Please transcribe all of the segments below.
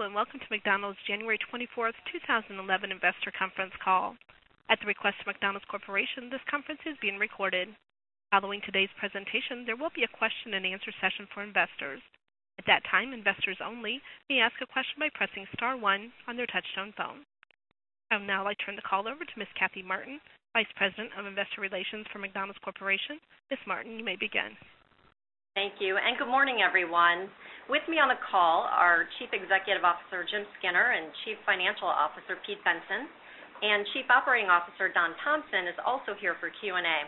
And welcome to McDonald's January 24, 2011 Investor Conference Call. At the request of McDonald's Corporation, this conference is being recorded. Following today's presentation, there will be a question and answer session for investors. I'd now like to turn the call over to Ms. Kathy Martin, Vice President of Investor Relations for McDonald's Corporation. Ms. Martin, you may begin. Thank you, and good morning, everyone. With me on the call are Chief Executive Officer, Jim Skinner and Chief Financial Officer, Pete Benson and Chief Operating Officer, Don Thompson, is also here for Q and A.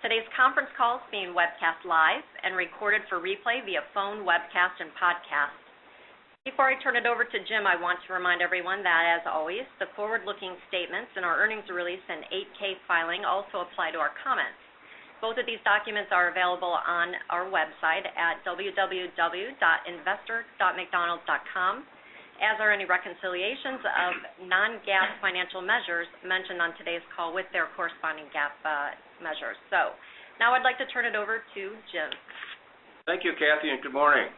Today's conference call is being webcast live and recorded for replay via phone, webcast and podcast. Before I turn it over to Jim, I want to remind everyone that as always, the forward looking statements in our earnings release and 8 ks filing also apply to our comments. Both of these documents are available on our website at www.investor.mcdonald.com as are any reconciliations of non GAAP financial measures mentioned on today's call with their corresponding GAAP measures. So now I'd like to turn it over to Jim. Thank you, Kathy, and good morning.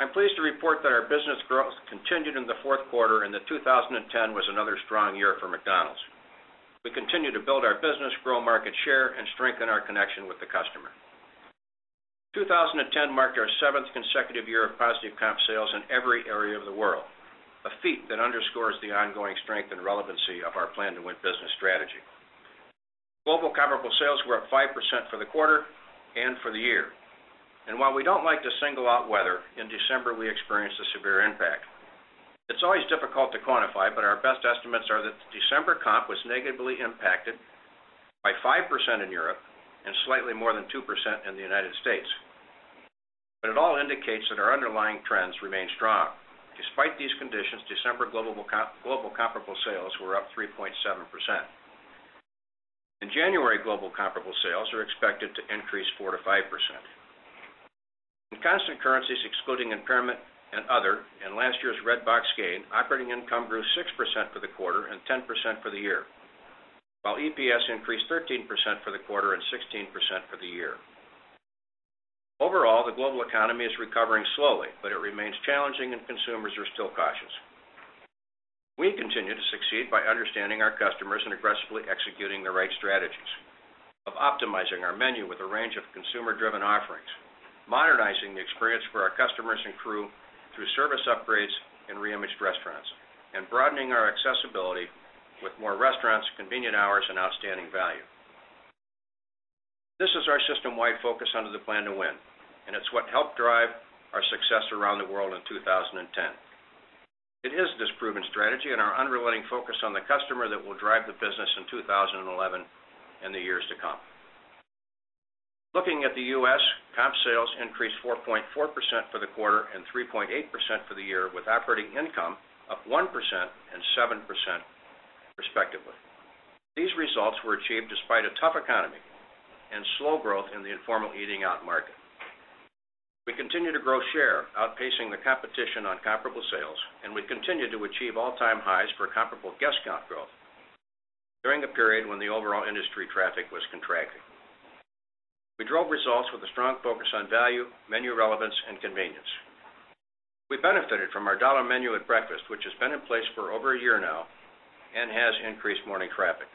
I'm pleased to report that our business growth continued in the Q4 and the 2010 was another strong year for McDonald's. We continue to build our business, grow market share and strengthen our connection with the customer. 2010 marked our 7th consecutive year of positive comp sales in every area of the world, a feat that underscores the ongoing strength and relevancy of our plan to win business strategy. Global comparable sales were up 5% for the quarter and for the year. And while we don't like to single out weather, in December, we experienced a severe impact. It's always difficult to quantify, but our best estimates are that the December comp was negatively impacted by 5% in Europe and slightly more than 2% in the United States. But it all indicates that our underlying trends remain strong. Despite these conditions, December global comparable sales were up 3.7%. In January, global comparable sales are expected to increase 4% to 5%. In constant currencies, excluding impairment and other and last year's Red Box gain, operating income grew 6% for the quarter and 10% for the year, while EPS increased 13% for the quarter and 16% for the year. Overall, the global economy is recovering slowly, but it remains challenging and consumers are still cautious. We continue to succeed by understanding our customers and aggressively executing the right strategies of optimizing our menu with a range of consumer driven offerings, modernizing the experience for our customers and crew through service upgrades and re imaged restaurants and broadening our accessibility with more restaurants, convenient hours and outstanding value. This is our system wide focus under the plan to win, and it's what helped drive our success around the world in 2010. It is this proven strategy and our underlying focus on the customer that will drive the business in 2011 and the years to come. Looking at the U. S, comp sales increased 4.4% for the quarter and 3.8% for the year, with operating income up 1% and 7%, respectively. These results were achieved despite a tough economy and slow growth in the informal eating out market. We continue to grow share outpacing the competition on comparable sales and we continue to achieve all time highs for comparable guest count growth during the period when the overall industry traffic was contracting. We drove results with a strong focus on value, menu relevance and convenience. We benefited from our dollar menu at breakfast, which has been in place for over a year now and has increased morning traffic.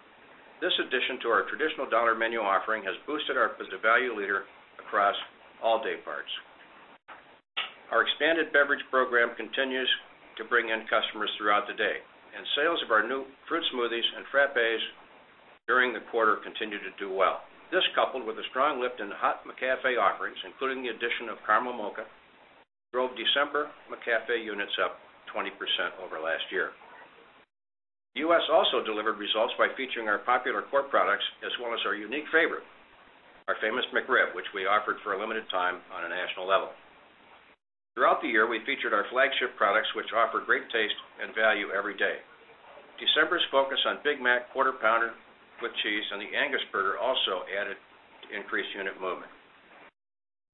This addition to our traditional dollar menu offering has boosted our visitor value leader across all day parts. Our expanded beverage program continues to bring in customers throughout the day and sales of our new fruit smoothies and frat bays during the quarter continue to do well. This coupled with a strong lift in the hot McCafe offerings, including the addition of Carmel Mocha, drove December McCafe units up 20% over last year. The U. S. Also delivered results by featuring our popular core products as well as our unique favorite, our famous McRib, which we offered for a limited time on a national level. Throughout the year, we featured our flagship products, which offer great taste and value every day. December's focus on Big Mac Quarter Pounder with Cheese and the Angus Burger also added increased unit movement.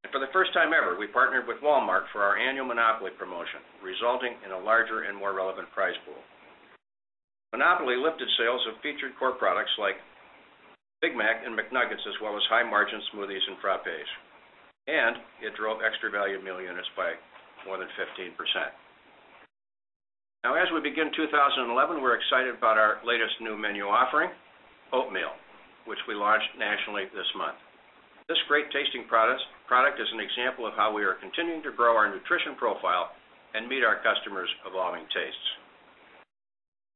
And for the first time ever, we partnered with Walmart for our annual Monopoly promotion resulting in a larger and more relevant prize pool. Monopoly lifted sales of featured core products like Big Mac and McNuggets as well as high margin smoothies and frappage. And it drove extra value meal units by more than 15%. Now as we begin profile and meet our customers' evolving tastes.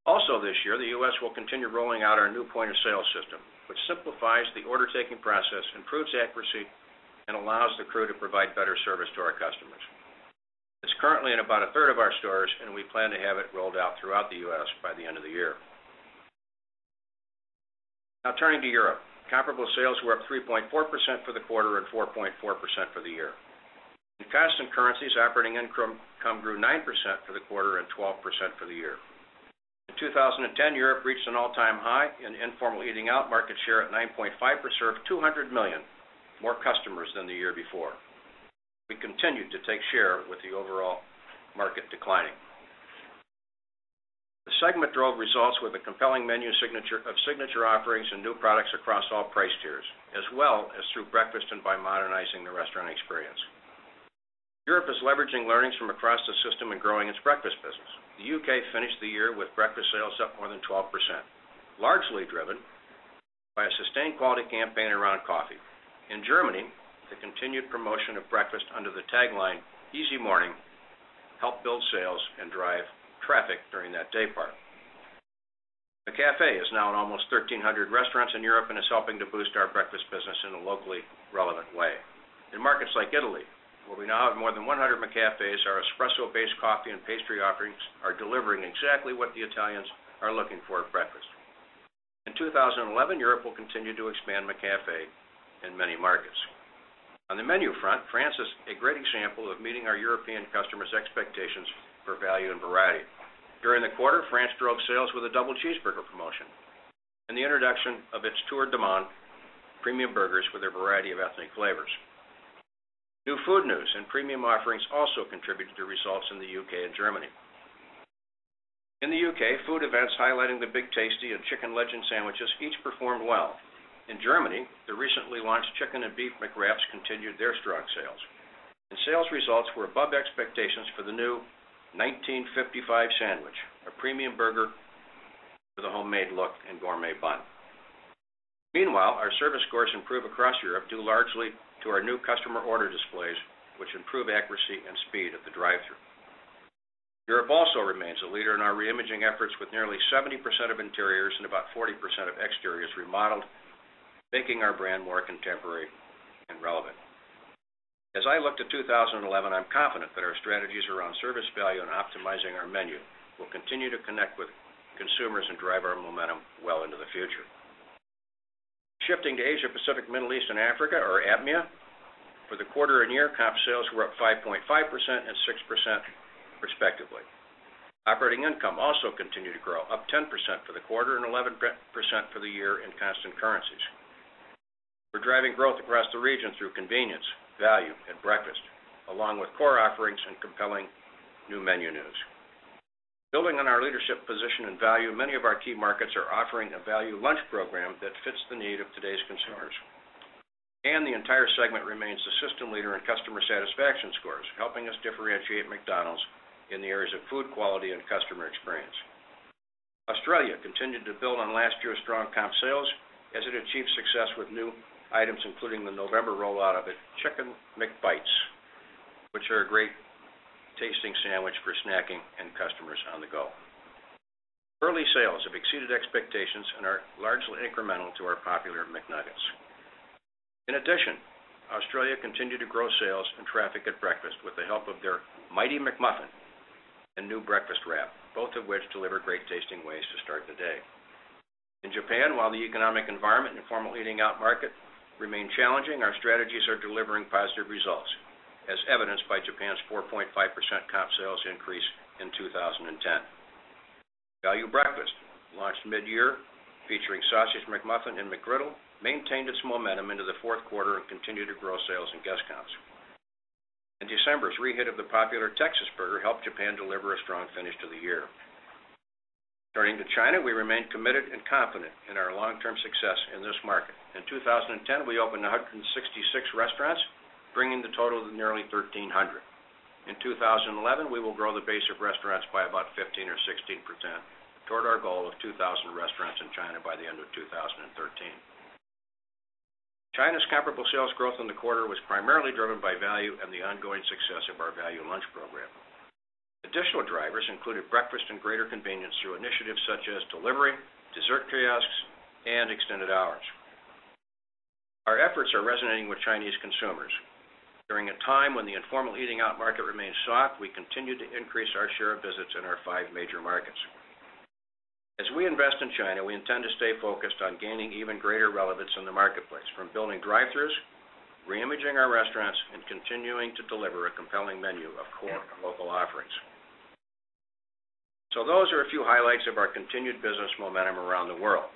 Also this year, the U. S. Will continue rolling out our new point of sale system, which simplifies the order taking process, improves accuracy and allows the crew to provide better service to our customers. It's currently in about a third of our stores and we plan to have it rolled out throughout the U. S. By the end of the year. Now turning to Europe. Comparable sales were up 3.4% for the quarter and 4.4% for the year. In constant currencies, operating income grew 9% for the quarter and 12% for the year. In 2010, Europe reached an all time high and informal eating out market share at 9.5% of 200,000,000 more customers than the year before. We continued to take share with the overall market declining. The segment drove results with a compelling menu signature of signature offerings and new products across all price tiers as well as through breakfast and by modernizing the restaurant experience. Europe is leveraging learnings from across the system and growing its breakfast business. The UK finished the year with breakfast sales up more than 12%, largely driven by a sustained quality campaign around coffee. In Germany, the continued promotion of breakfast under the tagline, easy morning, help build sales and drive traffic during that daypart. The cafe is now in almost 1300 restaurants in Europe and is helping to boost our breakfast business in a locally relevant way. In markets like Italy, where we now have more than 100 McCaffes, our espresso based coffee and pastry offerings are delivering exactly what the Italians are looking for at breakfast. In 2011, Europe will continue to expand McCafe in many markets. On the menu front, France is a great example of meeting our European customers' expectations for value and variety. During the quarter, France drove sales with a double cheeseburger promotion and the introduction of its Tour de Monde premium burgers with a variety of ethnic flavors. New food news and premium offerings also contribute to results in the U. K. And Germany. In the U. K, food events highlighting the Big Tasty and Chicken Legend sandwiches each performed well. In Germany, the recently launched Chicken and Beef McWraps continued their strong sales. And sales results were above expectations for the new 1955 sandwich, a premium burger with a homemade look and gourmet bun. Meanwhile, our service scores improved across Europe due largely our new customer order displays, which improve accuracy and speed at the drive thru. Europe also remains a leader in our reimaging efforts with nearly 70% of interiors and about 40% of exteriors remodeled, making our brand more contemporary and relevant. As I look to 2011, I'm confident that our strategies around service value and optimizing our menu will continue to connect with consumers and drive our momentum well into the future. Shifting to Asia Pacific, Middle East and Africa or ABMEA. For the quarter and year, comp sales were up 5.5% and 6%, respectively. Operating income also continued to grow, up 10% for quarter and 11% for the year in constant currencies. We're driving growth across the region through convenience, value and breakfast, along with core offerings and compelling new menu news. Building on our leadership position and value, many of our key markets are offering a value lunch program that fits the need of today's consumers. And the entire segment remains the system leader in customer satisfaction scores, helping us differentiate McDonald's in the areas of food quality and customer experience. Australia continued to build on last year's strong comp sales as it achieved success with new items, including the November rollout of it, Chicken McBites, which are a great tasting sandwich for snacking and customers on the go. Early sales have exceeded expectations and are largely incremental to our popular McNuggets. In addition, Australia continued to grow sales and traffic at breakfast with the help of their Mighty McMuffin and new breakfast wrap, both of which deliver great tasting ways to start the day. In Japan, while the economic environment in formal eating out market remain challenging, our strategies are delivering positive results, as evidenced by Japan's 4.5 percent comp sales increase in 2010. Value Breakfast launched mid year, featuring Sausage McMuffin and McGriddle maintained its momentum into the Q4 and continued to grow sales and guest counts. In December, a re hit of the popular Texas burger helped Japan deliver a strong finish to the year. Turning to China, we remain committed and confident our long term success in this market. In 2010, we opened 166 restaurants, bringing the total to nearly 1300. In 2011, we will grow the base of restaurants by about 15% or 16% toward our goal of 2,000 restaurants in China by the end of 2013. China's comparable sales growth in the quarter was primarily driven by value and the ongoing success of our Value Lunch program. Additional drivers included breakfast and greater convenience through initiatives such as delivery, dessert kiosks and extended hours. Our efforts are resonating with Chinese consumers. During a time when the informal eating out market remains soft, we continue to increase our share of visits in our 5 major markets. As we invest in China, we intend to stay focused on gaining even greater relevance in the marketplace from building drive thrus, reimaging our restaurants and continuing to deliver a compelling menu of core and local offerings. So those are a few highlights of our continued business momentum around the world.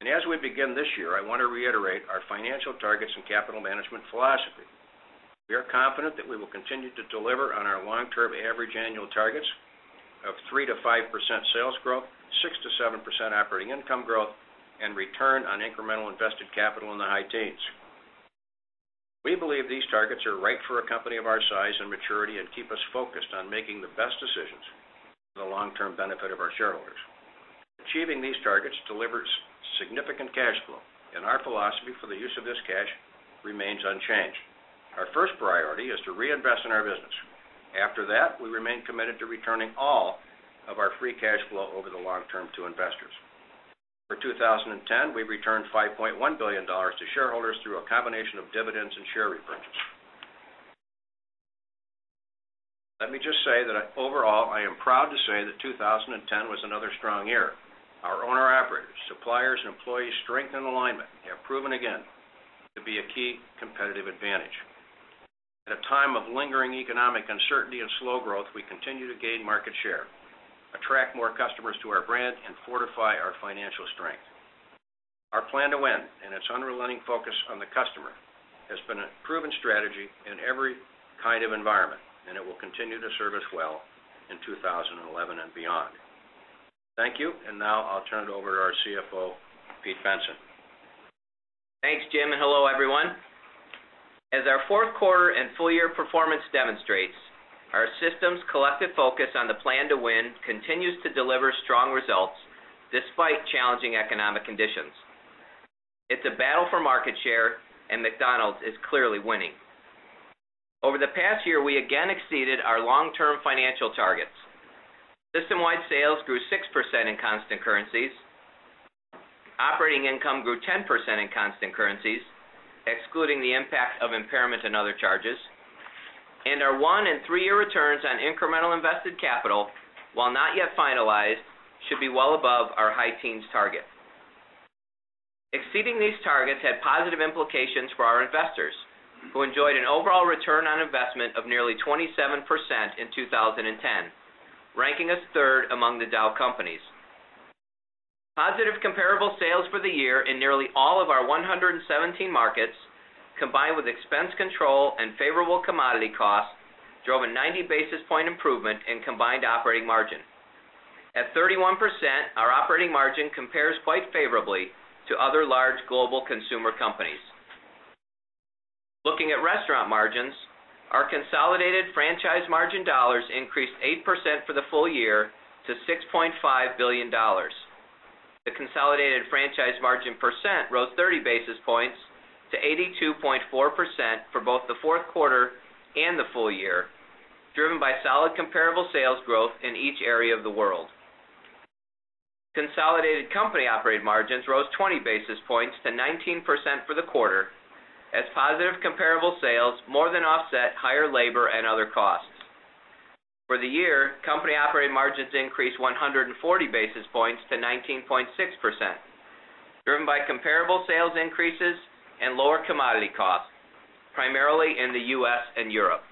And as we begin this year, I want to reiterate our financial targets and capital management philosophy. We are confident that we will continue to deliver on our long term average annual targets of 3% to 5% sales growth, 6% to 7% operating income growth and return on incremental invested capital in the high teens. We believe these targets are right for a company of our size and maturity and keep us focused on making the best decisions for the long term benefit of our shareholders. Achieving these targets delivers significant cash flow and our philosophy for the use of this cash remains unchanged. Our first priority is to reinvest in our business. After that, we remain committed to returning all of our free cash flow over the long term to investors. For 2010, we returned $5,100,000,000 to shareholders through a combination of dividends and share repurchase. Let me just say that overall, I am proud to say that 2010 was another strong year. Our owner operators, suppliers and employees' strength and alignment have proven again to be a key competitive advantage. At a time of lingering economic uncertainty and slow growth, we continue to gain market share, attract more customers to our brand and fortify our financial strength. Our plan to win and its unrelenting focus on the customer has been a proven strategy in every kind of environment and it will continue to serve us well in 2011 beyond. Thank you. And now I'll turn it over to our CFO, Pete Benson. Thanks, Jim, and hello, everyone. As our Q4 and full year performance demonstrates, our systems' collective focus on the plan to win continues to deliver strong results despite challenging economic conditions. It's a battle for market share and McDonald's is clearly winning. Over the past year, we again exceeded our long term financial targets. System wide sales grew 6% in constant currencies, Operating income grew 10% in constant currencies, excluding the impact of impairment and other charges, and our 1 3 year returns on incremental invested capital, while not yet finalized, should be well above our high teens target. Exceeding these targets had positive implications for our investors, who enjoyed an overall return on investment of nearly 27% in 2010, ranking us 3rd among the Dow companies. Positive comparable sales for the year in nearly all of our 117 markets, combined with expense control and favorable commodity costs, drove a 90 basis point improvement in combined operating margin. At 31%, our operating margin compares quite favorably to other large global consumer companies. Looking at restaurant margins, our consolidated franchise margin dollars increased 8% for the full year to $6,500,000,000 The consolidated franchise margin percent rose 30 basis points 82.4% for both the 4th quarter and the full year, driven by solid comparable sales growth in each area of the world. Consolidated company operated margins rose 20 basis points to 19% for the quarter as positive comparable sales more than offset higher labor and other costs. For the year, company operating margins increased 140 basis points to 19.6 percent, driven by comparable sales increases and lower commodity costs, primarily in the U. S. And Europe.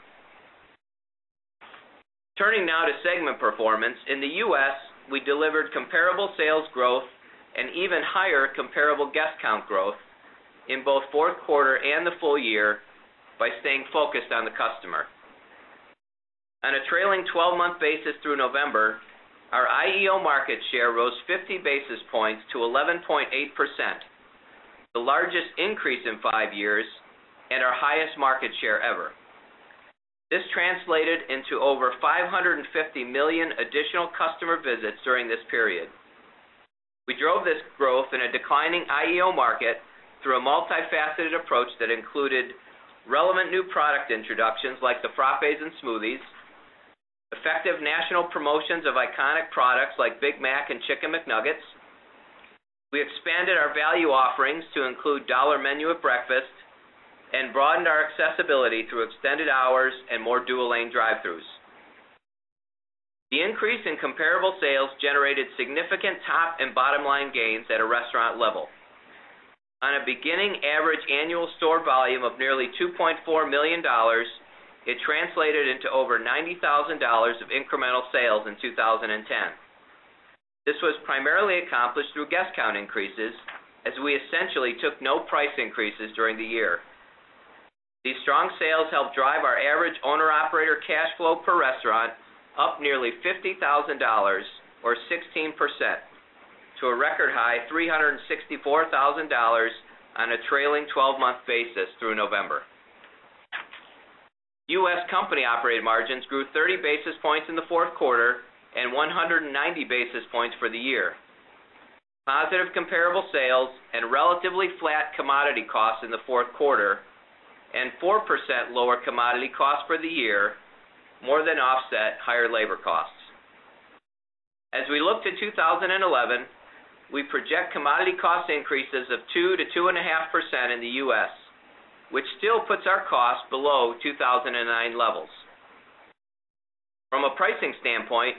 Turning now to segment performance. In the U. S, we delivered comparable sales growth and even higher comparable guest count growth in both Q4 and the full year by staying focused on the customer. On a trailing 12 month basis through November, our IEO market share rose 50 basis points to 11.8%, the largest increase in 5 years and our highest market share ever. This translated into over 550,000,000 additional customer visits during this period. We drove this growth in a declining IEO market through a multifaceted approach that included relevant new product introductions like the frappes and smoothies, effective national promotions of iconic products like Big Mac and Chicken McNuggets. We expanded our value offerings to include dollar menu at breakfast and broadened our accessibility through extended hours and more dual lane drive thrus. The increase in comparable sales generated significant top and bottom line gains at a restaurant level. On a beginning average annual store volume of nearly $2,400,000 it translated into over $90,000 of incremental sales in 20 This was primarily accomplished through guest count increases as we essentially took no price increases during the year. These strong sales helped drive our average owner operator cash flow per restaurant up nearly $50,000 or 16% to a record high $364,000 on a trailing 12 month basis through November. U. S. Company operated margins grew 30 basis points in the 4th quarter and 190 basis points for the year. Positive comparable sales and relatively flat commodity costs in the 4th quarter and 4% lower commodity costs for the year more than offset higher labor costs. As we look to 2011, we project commodity cost increases of 2% to 2.5 percent in the U. S, which still puts our costs below 2,009 levels. From a pricing standpoint,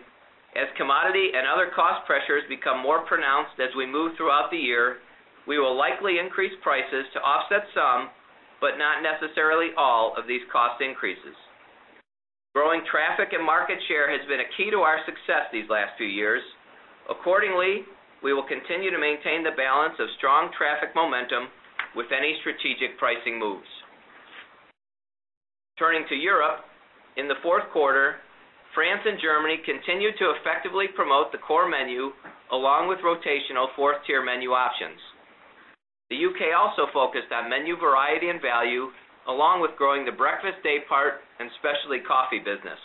as commodity and other cost pressures become more pronounced as we move throughout the year, we will likely increase prices to offset some, but not necessarily all of these cost increases. Growing traffic and market share has been a key to our success these last few years. Accordingly, we will continue to maintain the balance of strong traffic momentum with any strategic pricing moves. Turning to Europe, in the Q4, France and Germany continued to effectively promote the core menu along with rotational 4th tier menu options. The U. K. Also focused on menu variety and value along with growing the breakfast daypart and specialty coffee business.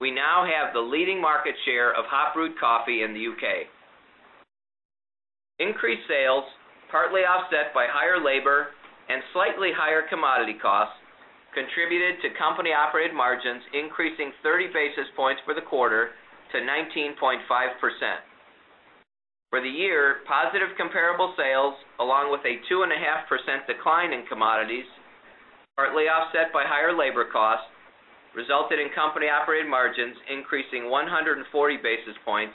We now have the leading market share of hot brewed coffee in the UK. Increased sales, partly offset by higher labor and slightly higher commodity costs, contributed to company operated margins increasing 30 basis points for the quarter to 19.5%. For the year, positive comparable sales along with a 2.5% decline in commodities, partly offset by higher labor costs, resulted in company operated margins increasing 140 basis points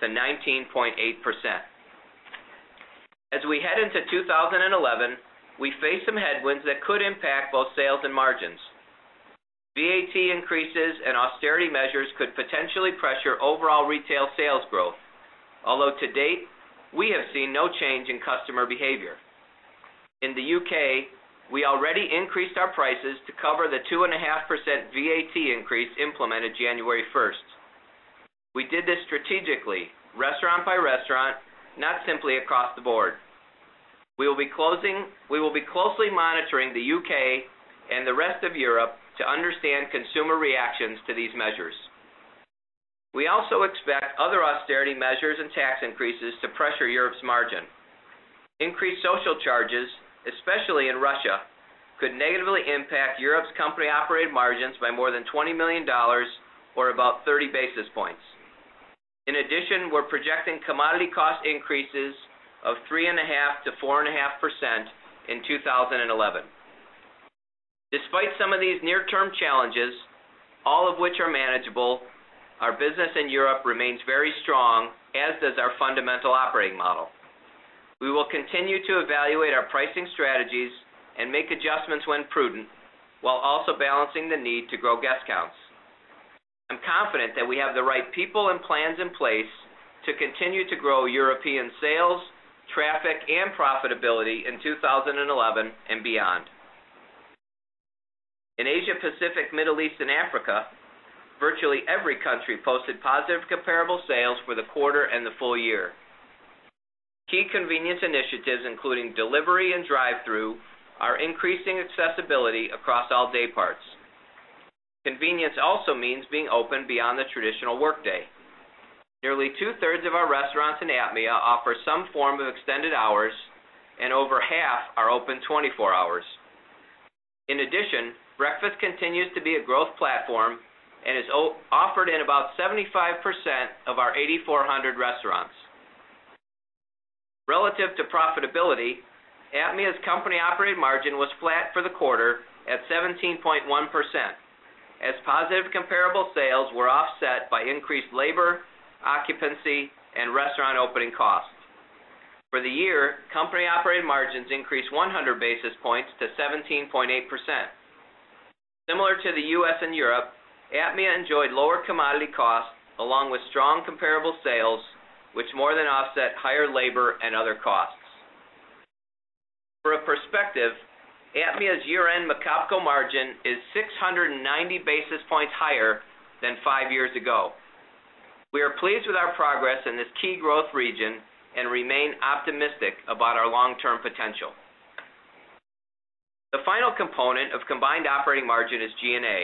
to 19.8%. As we head into 2011, we faced some headwinds that could impact both sales and margins. VAT increases and austerity measures could potentially pressure overall retail sales growth, although to date we have seen no change in customer behavior. In the U. K, we already increased our prices to cover the 2.5% VAT increase implemented January 1. We did this strategically restaurant by restaurant, not simply across the board. We will be closing we will be closely monitoring the U. K. And the rest of Europe to understand consumer reactions to these measures. We also expect other austerity measures and tax increases to pressure Europe's margin. Increased social charges, especially in Russia, could negatively impact Europe's company operated margins by more than $20,000,000 or about 30 basis points. In addition, we're projecting commodity cost increases of 3.5% to 4.5% in 2011. Despite some of these near term challenges, all of which are manageable, our business in Europe remains very strong as does our fundamental operating model. We will continue to evaluate our pricing strategies and make adjustments when prudent, while also balancing the need to grow guest counts. I'm confident that we have the right people and plans in place to continue to grow European sales, traffic and profitability in 2011 beyond. In Asia Pacific, Middle East and Africa, virtually every country posted positive comparable sales for the quarter delivery and drive through are increasing accessibility across all day parts. Convenience also means being open beyond the traditional workday. Nearly 2 thirds of our restaurants in APMEA offer some form of extended hours and over half are open 24 hours. In addition, breakfast continues to be a growth platform and is offered in about 75% of our 8,400 restaurants. Relative to profitability, APMEA's company operated margin was flat for the quarter at 17.1% as positive comparable sales were offset by increased labor, occupancy and restaurant opening costs. For the year, company operating margins increased 100 basis points to 17.8%. Similar to the U. S. And Europe, APMEA enjoyed lower commodity costs along with strong comparable sales, which more than offset higher labor and other costs. For a perspective, APMEA's year end Macopco margin is 6.90 basis points higher than 5 years ago. We are pleased with our progress in this key growth region and remain optimistic about our long term potential. The final component of combined operating margin is G and A.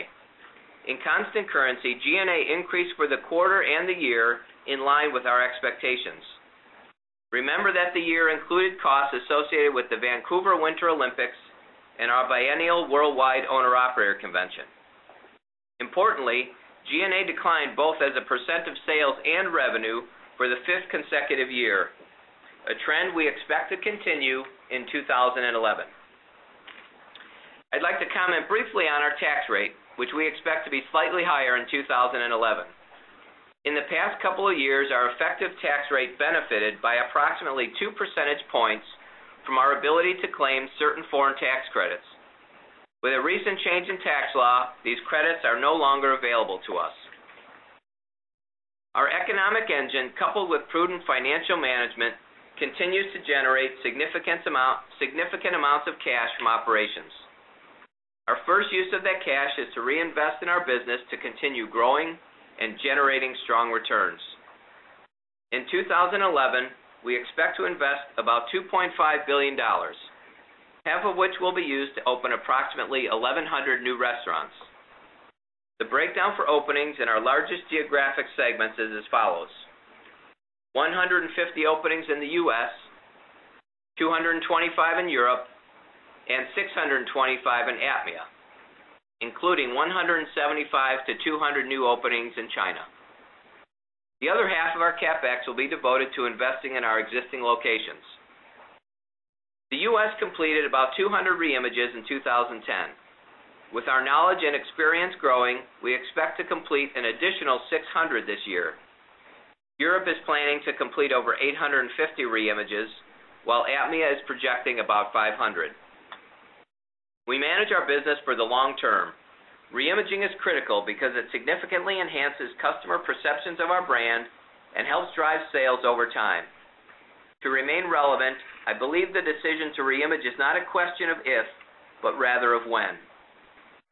In constant currency, G and A increased for the quarter the year in line with our expectations. Remember that the year included costs associated with the Vancouver Winter Olympics and our biennial worldwide owner operator convention. Importantly, G and A declined both as a percent of sales and revenue for the 5th consecutive year, a trend we expect to continue in 2011. I'd like to comment briefly on our tax rate, which we expect to be slightly higher in 2011. In the past couple of years, our effective tax rate benefited by approximately 2 percentage points from our ability to claim certain foreign tax credits. With a recent change in tax law, these credits are no longer available to us. Our economic engine coupled with prudent financial management continues to generate significant amounts of cash from operations. Our first use of that cash is to reinvest in our business to continue growing and generating strong returns. In 2011, we expect to invest about $2,500,000,000 half of which will be used to open approximately 1100 new restaurants. The breakdown for openings in our largest geographic segments is as follows: 150 openings in the U. S, 225 in Europe, and 625 in APMEA, including 175 to 200 new openings in China. The other half of our CapEx will be devoted to investing in our existing locations. The U. S. Completed about 200 re images in 2010. With our knowledge and experience growing, we expect to complete an additional 600 this year. Europe is planning to complete over 850 re images, while APMEA is projecting about 500. Brand and helps drive sales over time. To remain relevant, I believe the decision to reimage is not a question of if, but rather of when.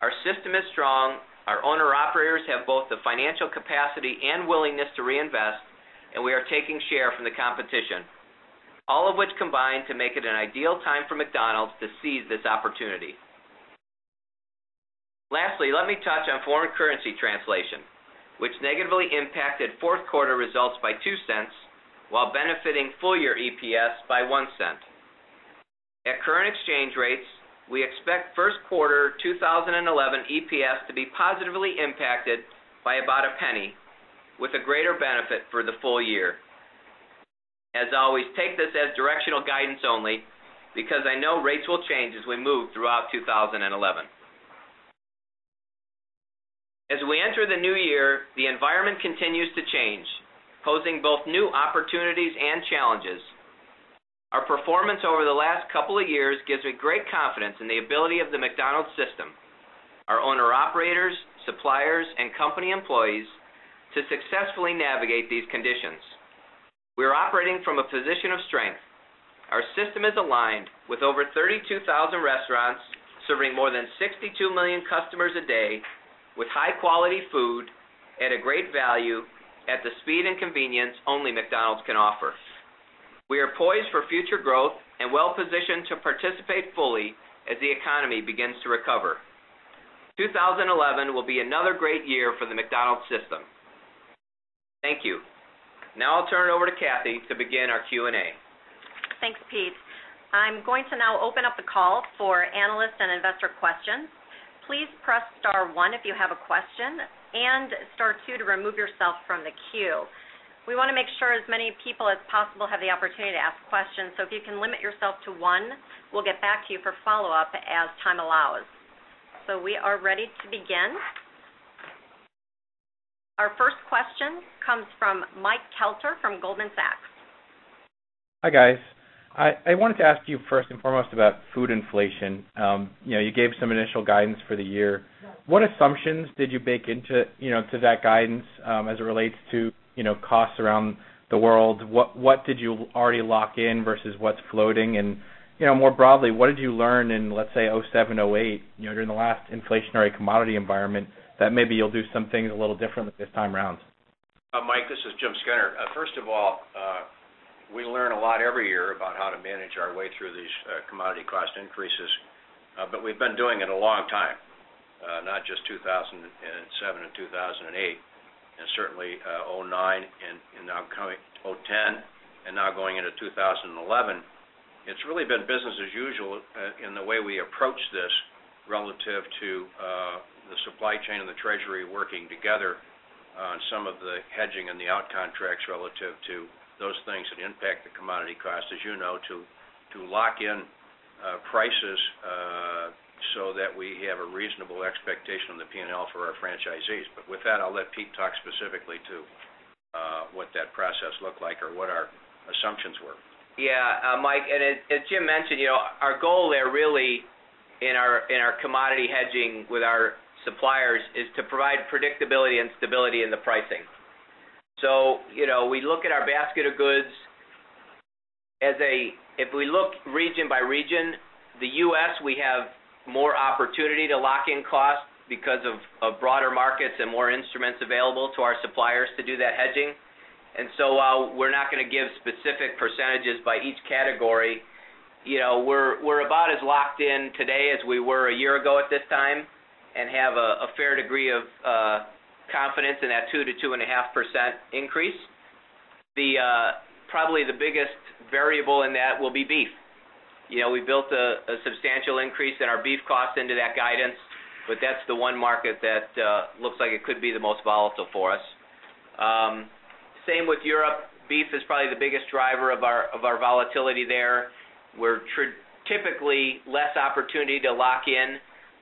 Our system is strong, our owner operators have both the financial capacity and willingness to reinvest, and we are taking share from the competition, all of which combine to make it an ideal time for McDonald's to seize this opportunity. Lastly, let me touch on foreign currency translation, which negatively impacted 4th quarter results by $0.02 while benefiting full year EPS by $0.01 At current exchange rates, we expect Q1 2011 EPS to be positively impacted by about a penny with a greater benefit for the full year. As always, take this as directional guidance only because I know rates will change as we move throughout 2011. As we enter the New Year, the environment continues to change, posing both new opportunities and challenges. Our performance over the last couple of years gives me great confidence in the ability of the McDonald's system, our owner operators, suppliers and company employees to successfully navigate these conditions. We are operating from a position of strength. Our system is aligned with over 32,000 restaurants serving more than 62,000,000 customers a day with high quality food at a great value at the speed and convenience only McDonald's can offer. We are poised for future growth and well positioned to participate fully as the economy begins to recover. 2011 will be another great year for the McDonald's system. Thank you. Now I'll turn it over to Kathy to begin our Q and A. Thanks, Pete. I'm going to now open up the call for analysts and investor Our first question comes from Mike Kelter from Goldman Sachs. Hi, guys. I wanted to ask you first and foremost about food inflation. You gave some initial guidance for the year. What assumptions did you bake into that guidance as it relates to costs around the world? What did you already lock in versus what's floating? And more broadly, what did you learn in, let's say, 'seven, 'eight during the last inflationary commodity environment that maybe you'll do something a little different this time around? Mike, this is Jim Skynyrd. First of all, we learn a lot every year about how to manage our way through these commodity cost increases. But we've been doing it a long time, not just 2,007 and 2,008 and certainly 'nine and now coming 'ten and now going into 2011. It's really been business as usual in the way we approach this relative to the supply chain and the treasury working together on some of the hedging and the out contracts relative to those things that impact the commodity costs, as you know, to lock in prices so that we have a reasonable expectation what our assumptions were. Yes, Mike. And as Jim mentioned, our goal there really in our commodity hedging with our suppliers is to provide predictability and stability in the pricing. So, we look at our basket of goods as a if we look region by region, the U. S, we have more opportunity to lock in costs because of broader markets and more instruments available to our suppliers to do that hedging. And so while we're not going to give specific percentages by each category, we're about as locked in today as we were a year ago at this time and have a fair degree of confidence in that 2% to 2.5% increase. The probably the biggest variable in that will be beef. We built a substantial increase in our beef cost into that guidance, but that's the one market that looks like it could be the most volatile for us. Same with Europe, beef is probably the biggest driver of our volatility there. We're typically less opportunity to lock in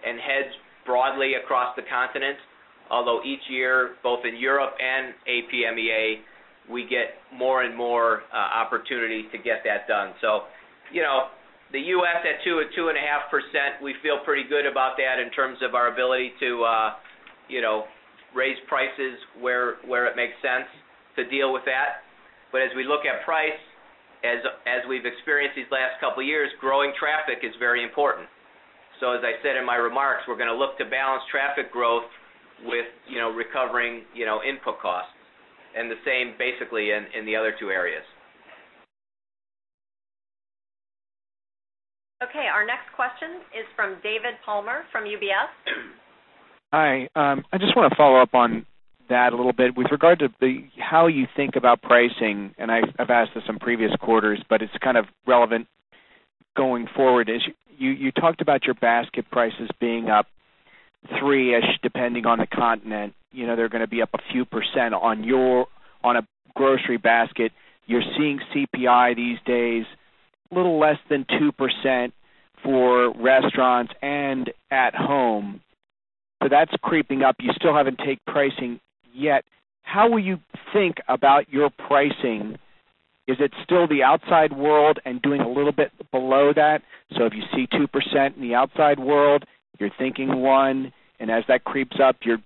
and hedge broadly across the continent, although each year, both in Europe and APMEA, we get more and more opportunity to get that done. So, the U. S. At 2% to 2.5%, we feel pretty good about that in terms of our ability to raise prices where it makes sense to deal with that. But as we look at price, as we've experienced these last couple of years, growing traffic is very important. So, as I said in my remarks, we're going to look to balance traffic growth with recovering input costs and the same basically in the other two areas. Okay. Our next question is from David Palmer from UBS. Hi. I just want to follow-up on that a little bit. With regard to how you think about pricing and I've asked this in previous quarters, but it's kind of relevant going forward. You talked about your basket prices being up 3 ish depending on the continent. They're going to be up a few percent on your on a grocery basket. You're seeing CPI these days little less than 2% for restaurants and at home. So that's creeping up. You still haven't take pricing yet. How will you think about your pricing? Is it still the outside world and doing a little bit below that? So if you see 2% in the outside world, you're thinking 1% and as that creeps up, you're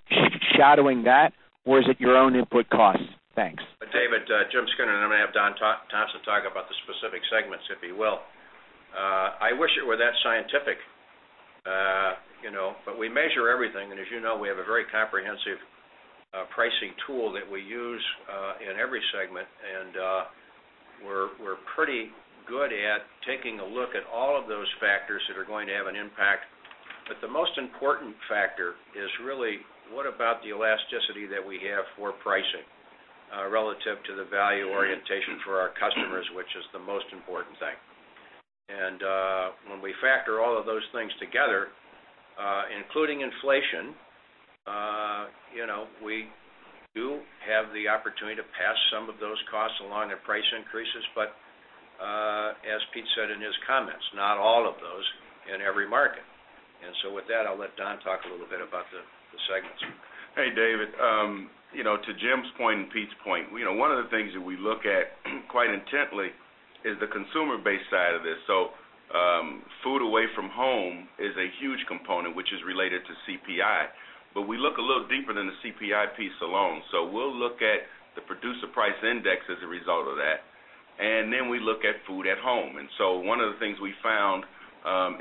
shadowing that? Or is it your own input costs? Thanks. David, Jim Skynyrd. I'm going to have Don Thompson talk about the specific segments, if he will. I wish it were that scientific, but we measure everything. And as you know, we have a very comprehensive pricing tool that we use in every segment and we're pretty good at taking a look at all of those factors that are going to have an impact. But the most important factor is really what about the elasticity that we have for pricing relative to the value orientation for our customers, which is the most important thing. And when we factor all of those things together, including inflation, we do have the opportunity to pass some of those costs along in price increases. But as Pete said in his comments, not all of those in every market. And so with that, I'll let Don talk a little bit about the segments. Hey, David. To Jim's point and Pete's point, one of the things that we look at quite intently is the consumer base side of this. So food away from home is a huge component, which is related to CPI, but we look a little deeper than the CPI piece alone. So we'll look at the producer price index as a result of that. And then we look at food at home. And so one of the things we found,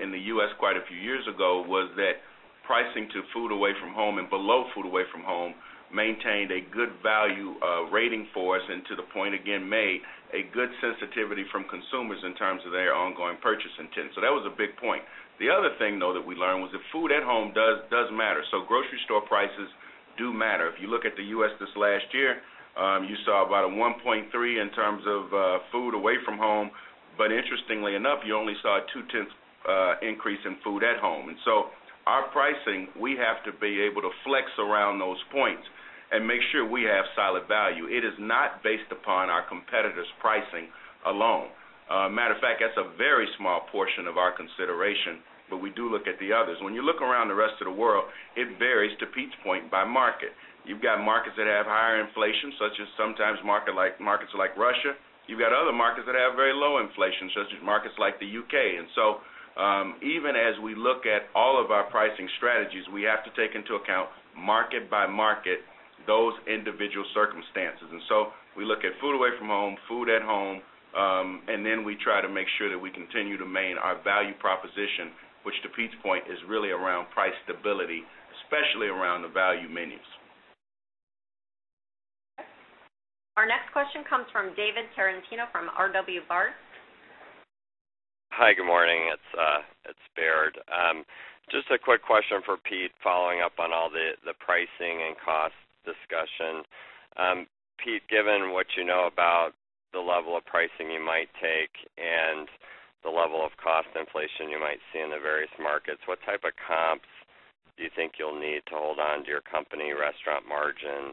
in the U. S. Quite a few years ago was that pricing to food away from home and below food away from home maintained a good value rating for us and to the point again made a good sensitivity from consumers in terms of their ongoing purchase intent. So that was a big point. The other thing though that we learned was that food at home does matter. So grocery store prices do matter. If you look at the U. S. This last year, you saw about a 1.3% in terms of food away from home. But interestingly enough, you only saw a 2 tenths increase in food at home. And so our pricing, we have to be able to flex around those points and make sure we have solid value. It is not based upon our competitors' pricing alone. Matter of fact, that's a very small portion of our consideration, but we do look at the others. When you look around the rest of the world, it varies to Pete's point by market. You've got markets that have higher inflation such as sometimes market like markets like Russia, You've got other markets that have very low inflation such as markets like the UK. And so, even as we look at all of our pricing strategies, we have to take into account market by market those individual circumstances. And so we look at food away from home, food at home, and then we try to make sure that we continue to main our value proposition, which to Pete's point is really around price stability, especially around the value menus. Our next question comes from David Tarantino from R. W. Baird. Hi, good morning. It's Baird. Just a quick question for Pete following up on all the pricing and cost discussion. Pete, given what you know about the level of pricing you might take and the level of cost inflation you might see in the various markets? What type of comps do you think you'll need to hold on to your company restaurant margin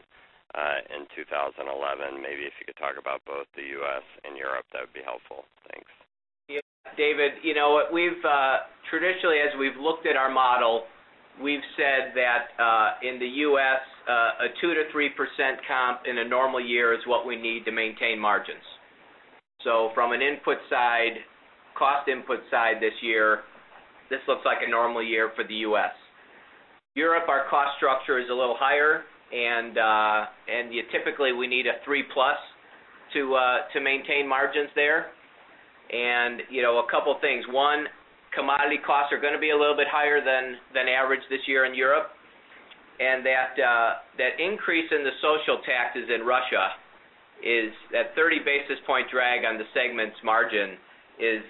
in 2011? Maybe if you could talk about both the U. S. And Europe, that would be helpful. Thanks. Yes, David. We've traditionally as we've looked at our model, we've said that in the U. S. A 2% to 3% comp in a normal year is what we need to maintain margins. So from an input side, cost input side this year, this looks like a normal year for the U. S. Europe, our cost structure is a little higher and typically we need a 3 plus to maintain margins there. And a couple of things. 1, commodity costs are going to be a little bit higher than average this year in Europe. And that increase in the social taxes in Russia is that 30 basis point drag on the segment's margin is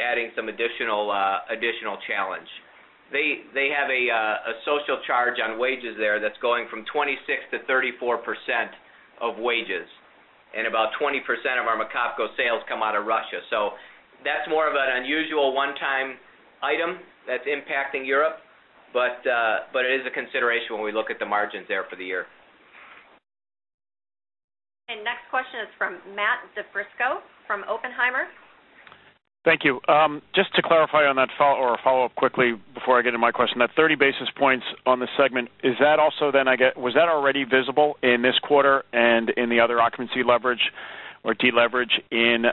adding some additional challenge. They have a social charge on wages there that's going from 26% to 30 4% of wages and about 20% of our Makopko sales come out of Russia. So that's more of an unusual one time item that's impacting Europe, but it is a consideration when we look at the margins there for the year. And next question is from Matt DiFrisco from Oppenheimer. Thank you. Just to clarify on that or a follow-up quickly before I get into my question, that 30 basis points on the segment, is that also then I guess was that already visible in this quarter and in the other occupancy leverage or deleverage in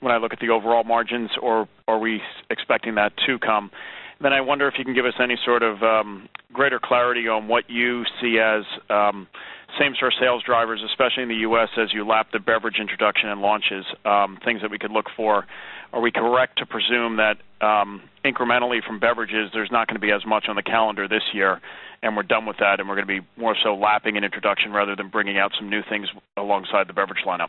when I look at the overall margins? Or are we expecting that to come? Then I wonder if you can give us any sort of greater clarity on what you see as same store sales drivers, especially in the U. S. As you lap the beverage introduction and launches, things that we could look for? Are we correct to presume that incrementally from beverages, there's not going to be as much on the calendar this year and we're done with that and we're going to be more so lapping an introduction rather than bringing out some new things alongside the beverage lineup?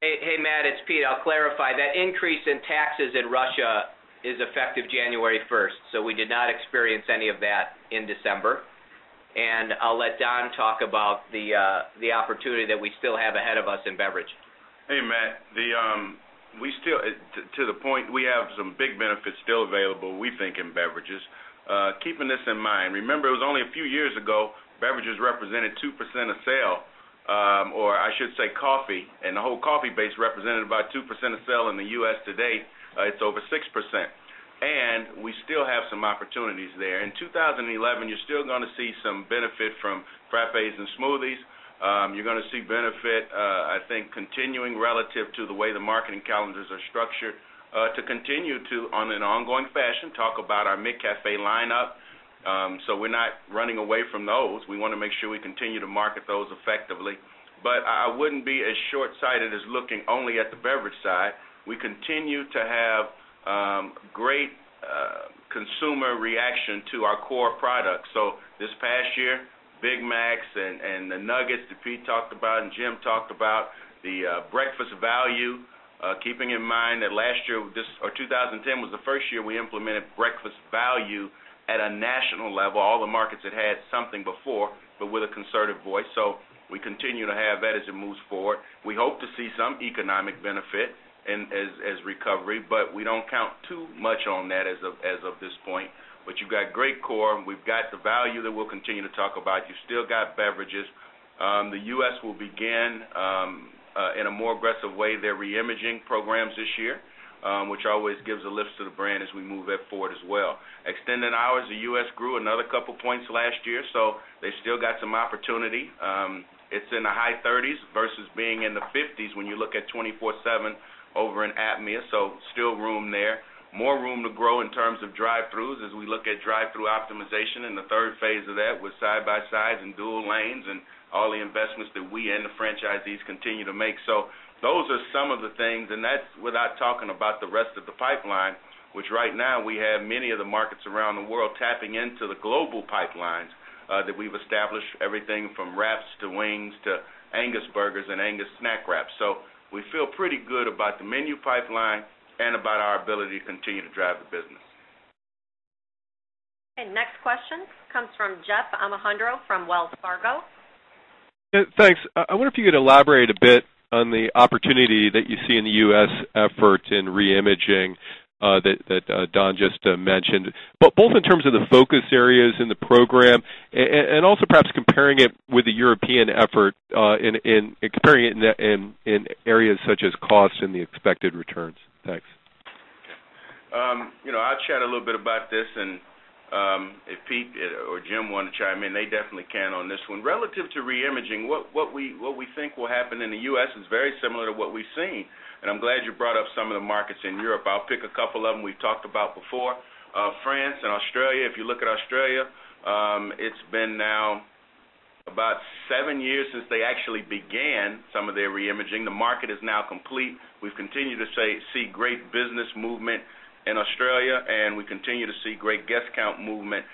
Hey, Matt, it's Pete. That increase in taxes in Russia is effective January 1. So we did not experience any of that in December. And I'll let Don talk about the opportunity that we still have ahead of us in beverage. Hey, Matt. We still to the point, we have some big benefits still available, we think, in beverages. Keeping this in mind, remember, it was only a few years ago, beverages represented 2% of sale, or I should say coffee and the whole coffee base represented by 2% of sale in the U. S. Today, it's over 6%. And we still have some opportunities there. In 2011, you're still going to see some benefit from frappes and smoothies. You're going to see benefit, I think continuing relative to the way the marketing calendars are structured to continue to on an ongoing fashion talk about our mid cafe lineup. So we're not running away from those. We want to make sure we continue to market those effectively. But I wouldn't be as shortsighted as looking only at the beverage side. We continue to have great consumer reaction to our core products. So this past year, Big Macs and the nuggets that Pete talked about and Jim talked about, the breakfast value, keeping in mind that last year or 2010 was the 1st year we implemented breakfast value at a national level, all the markets that had something before, but with a conservative voice. So we continue to have that as it moves forward. We hope to see some economic benefit and as recovery, but we don't count too much on that as of this point. But you've got great core and we've got the value that we'll continue to talk about. You still got beverages. The U. S. Will begin in a more aggressive way their reimaging programs this year, which always gives a lift to the brand as we move it forward as well. Extended hours, the U. S. Grew another couple of points last year. So they still got some opportunity. It's in the high 30s versus being in the 50s when you look at 20 fourseven over in APMEA. So still room there, more room to grow in terms of drive thrus as we look at drive thru optimization and the 3rd phase of that was side by sides and dual lanes and all the investments that we and the franchisees continue to make. So those are some of the things and that's without talking about the rest of pipeline, which right now we have many of the markets around the world tapping into the global pipelines, that we've established everything from wraps to wings to Angus burgers and Angus snack wraps. So we feel pretty good about the menu pipeline and about our ability to continue to drive the business. And next question comes from Jeff Amajandro from Wells Fargo. Thanks. I wonder if you could elaborate a bit on the opportunity that you see in the U. S. Efforts in reimaging that Don just mentioned, both in terms of the focus areas in the program and also perhaps comparing it with the European effort in areas such as cost and the expected returns? Thanks. I'll chat a little bit about this and if Pete or Jim want to chime in, they definitely can on this one. Relative to reimaging, what we think will happen in the U. S. Is very similar to what we've seen and I'm glad you brought up some of the markets in Europe. I'll pick a couple of them we've talked about before. France and Australia, if you look at Australia, it's been now about 7 years since they actually began some of their reimaging. The market is now complete. We've continued to see great business movement in Australia and we continue to see great guest count movement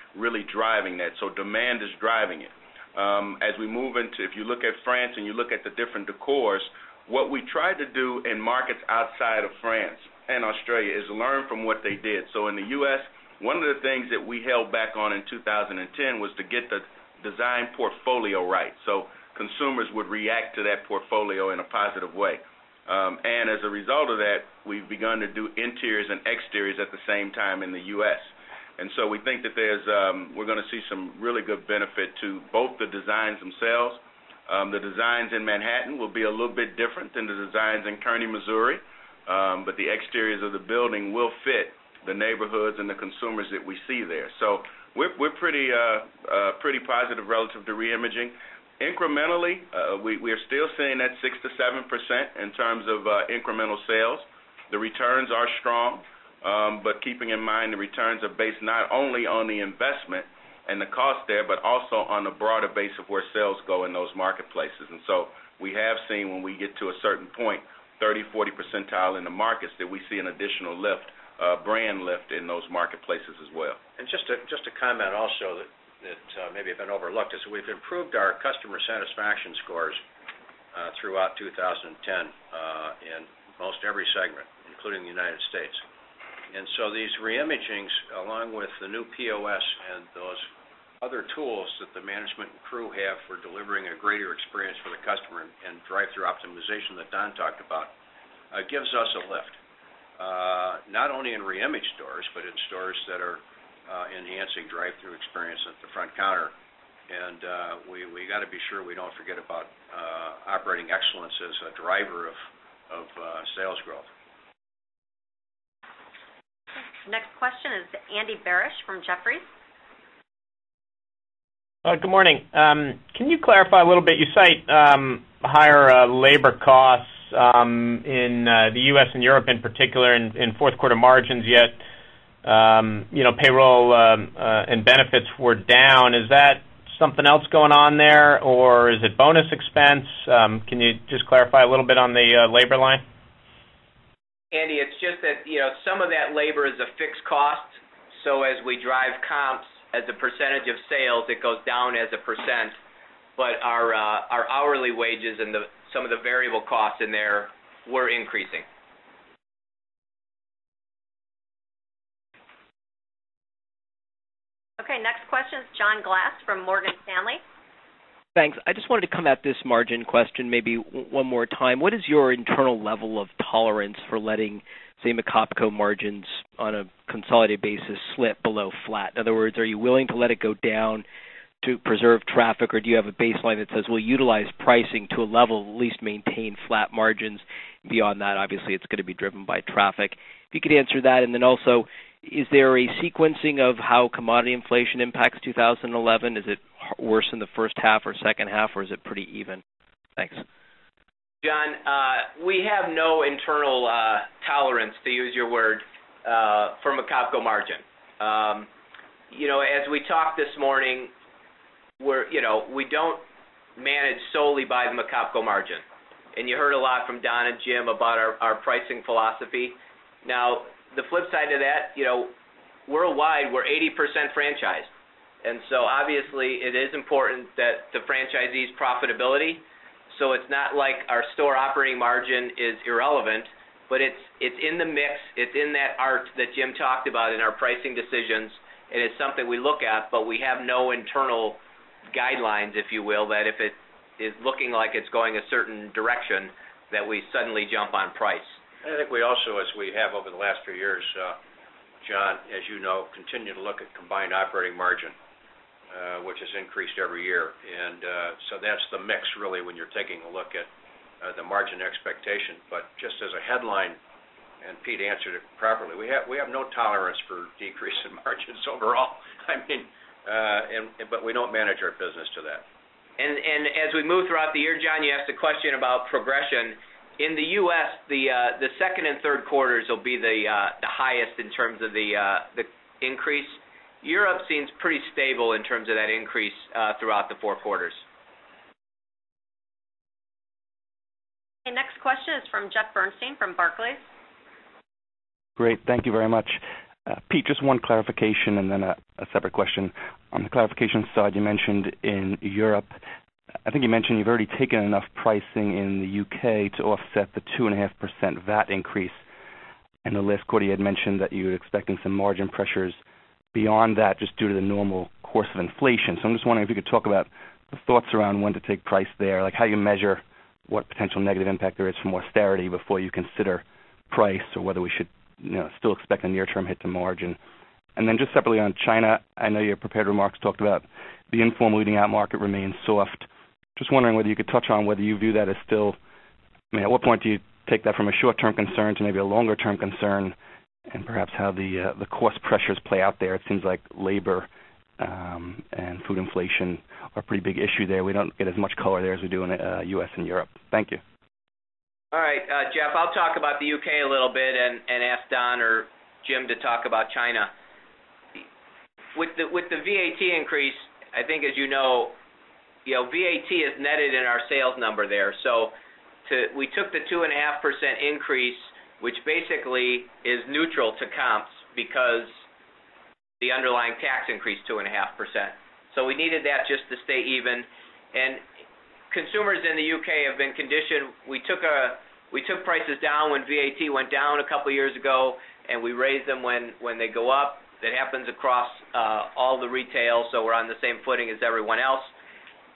decors, what we try to do in markets outside of France and Australia is learn from what they did. So in the U. S, one of the things that we held back on in 2010 was to get the design portfolio right, so consumers would react to that portfolio in a positive way. And as a result of that, we've begun to do interiors and exteriors at the same time in the U. S. And so we think that there's we're going to see some really good benefit to both the designs themselves. The designs in Manhattan will be a little bit different than the designs in Kearny, Missouri, but the exteriors of the building will fit the neighborhoods and the consumers that we see there. So we're pretty positive relative to reimaging. Incrementally, we are still seeing that 6% to 7% in terms of incremental sales. The returns are strong, but keeping in mind the returns are based not only on the investment and the cost there, but also on a broader base where sales go in those marketplaces. And so we have seen when we get to a certain point 30%, 40% tile in the markets that we see an additional lift, brand lift in those satisfaction scores throughout 2010 in most every segment, including the United States. And so these reimagings, along with the new POS and those other tools that the management and crew have for delivering a greater experience for the customer and drive through optimization that Don talked about, gives us a lift, not only in reimage stores, but in stores that are enhancing drive through experience at the front counter. And we got to be sure we don't forget about operating excellence as a driver of sales growth. Next question is Andy Barish from Jefferies. Good morning. Can you clarify a little bit? You cite higher labor costs in the U. S. And Europe in particular in Q4 margins yet payroll and benefits were down. Is that something else going on there? Or is it bonus expense? Can you just clarify a little bit on the labor line? Andy, it's just that some of that labor is a fixed cost. So as we drive comps as a percentage of sales, it goes down as a percent. But our hourly wages and some of the variable costs in there were increasing. Okay. Next question is John Glass from Morgan Stanley. Thanks. I just wanted to come at this margin question maybe one more time. What is your internal level of tolerance for letting, say, McCopco margins on a consolidated basis slip below flat? In other words, are you willing to let it go down to preserve traffic? Or do you have a baseline that says we'll utilize pricing to a level at least maintain flat margins beyond that? Obviously, it's going to be driven by traffic. If you could answer that. And then also, is there a sequencing of how commodity inflation impacts 2011? Is it worse than the first half or second half or is it pretty even? Thanks. John, we have no internal tolerance to use your word from a Capco margin. As we talked this morning, we don't manage solely by the Macapko margin. And you heard a lot from Don and Jim about our pricing philosophy. Now the flip side of that, worldwide, we're 80% franchised. And so, obviously, it is important that the franchisees profitability. So, it's not like our store operating margin is irrelevant, but it's in the mix, it's in that art that Jim talked about in our pricing decisions and it's something we look at, but we have no internal guidelines, if you will, that if it is looking like it's going a certain direction that we suddenly jump on price. And I think we also, as we have over the last few years, John, as you know, continue to look at combined operating margin, which has increased every year. And so that's the mix really when you're taking a look at the margin expectation. But just as a headline, and Pete answered it properly, we have no tolerance for decrease in margins overall. I mean but we don't manage our business to that. And as we move throughout the year, John, you asked a question about progression. In the U. S, the second and third quarters will be the highest in terms of the increase. Europe seems pretty stable in terms of that increase throughout the 4 quarters. The next question is from Jeff Bernstein from Barclays. Great. Thank you very much. Pete, just one clarification and then a separate question. On the clarification side, you mentioned in Europe, I think you mentioned you've already taken enough pricing in the UK to offset the 2.5% VAT increase. In the last quarter, you had mentioned that you were expecting some margin pressures beyond that just due to the normal course of inflation. So I'm just wondering if you could talk about the thoughts around when to take price there, like how you measure potential negative impact there is from austerity before you consider price or whether we should still expect a near term hit to margin? And then just separately on China, I know your prepared remarks talked about the Informed Leading Out market remains soft. Just wondering whether you could touch on whether you view that as still at what point do you take that from a short term concern to maybe a longer term concern and perhaps how the cost pressures play out there? It seems like labor and food inflation are pretty big issue there. We don't get as much color there as we do in U. S. And Europe. Thank you. All right. Jeff, I'll talk about the U. K. A little bit and ask Don or Jim to talk about China. With the VAT increase, I think as you know, VAT is netted in our sales number there. So, we took the 2.5% increase, which basically is neutral to comps because the underlying tax increased 2.5%. So, we needed that just to stay even. And consumers in the U. K. Have been conditioned we took prices down when VAT went down a couple of years ago and we raised them when they go up. That happens across all the retail, so we're on the same footing as everyone else.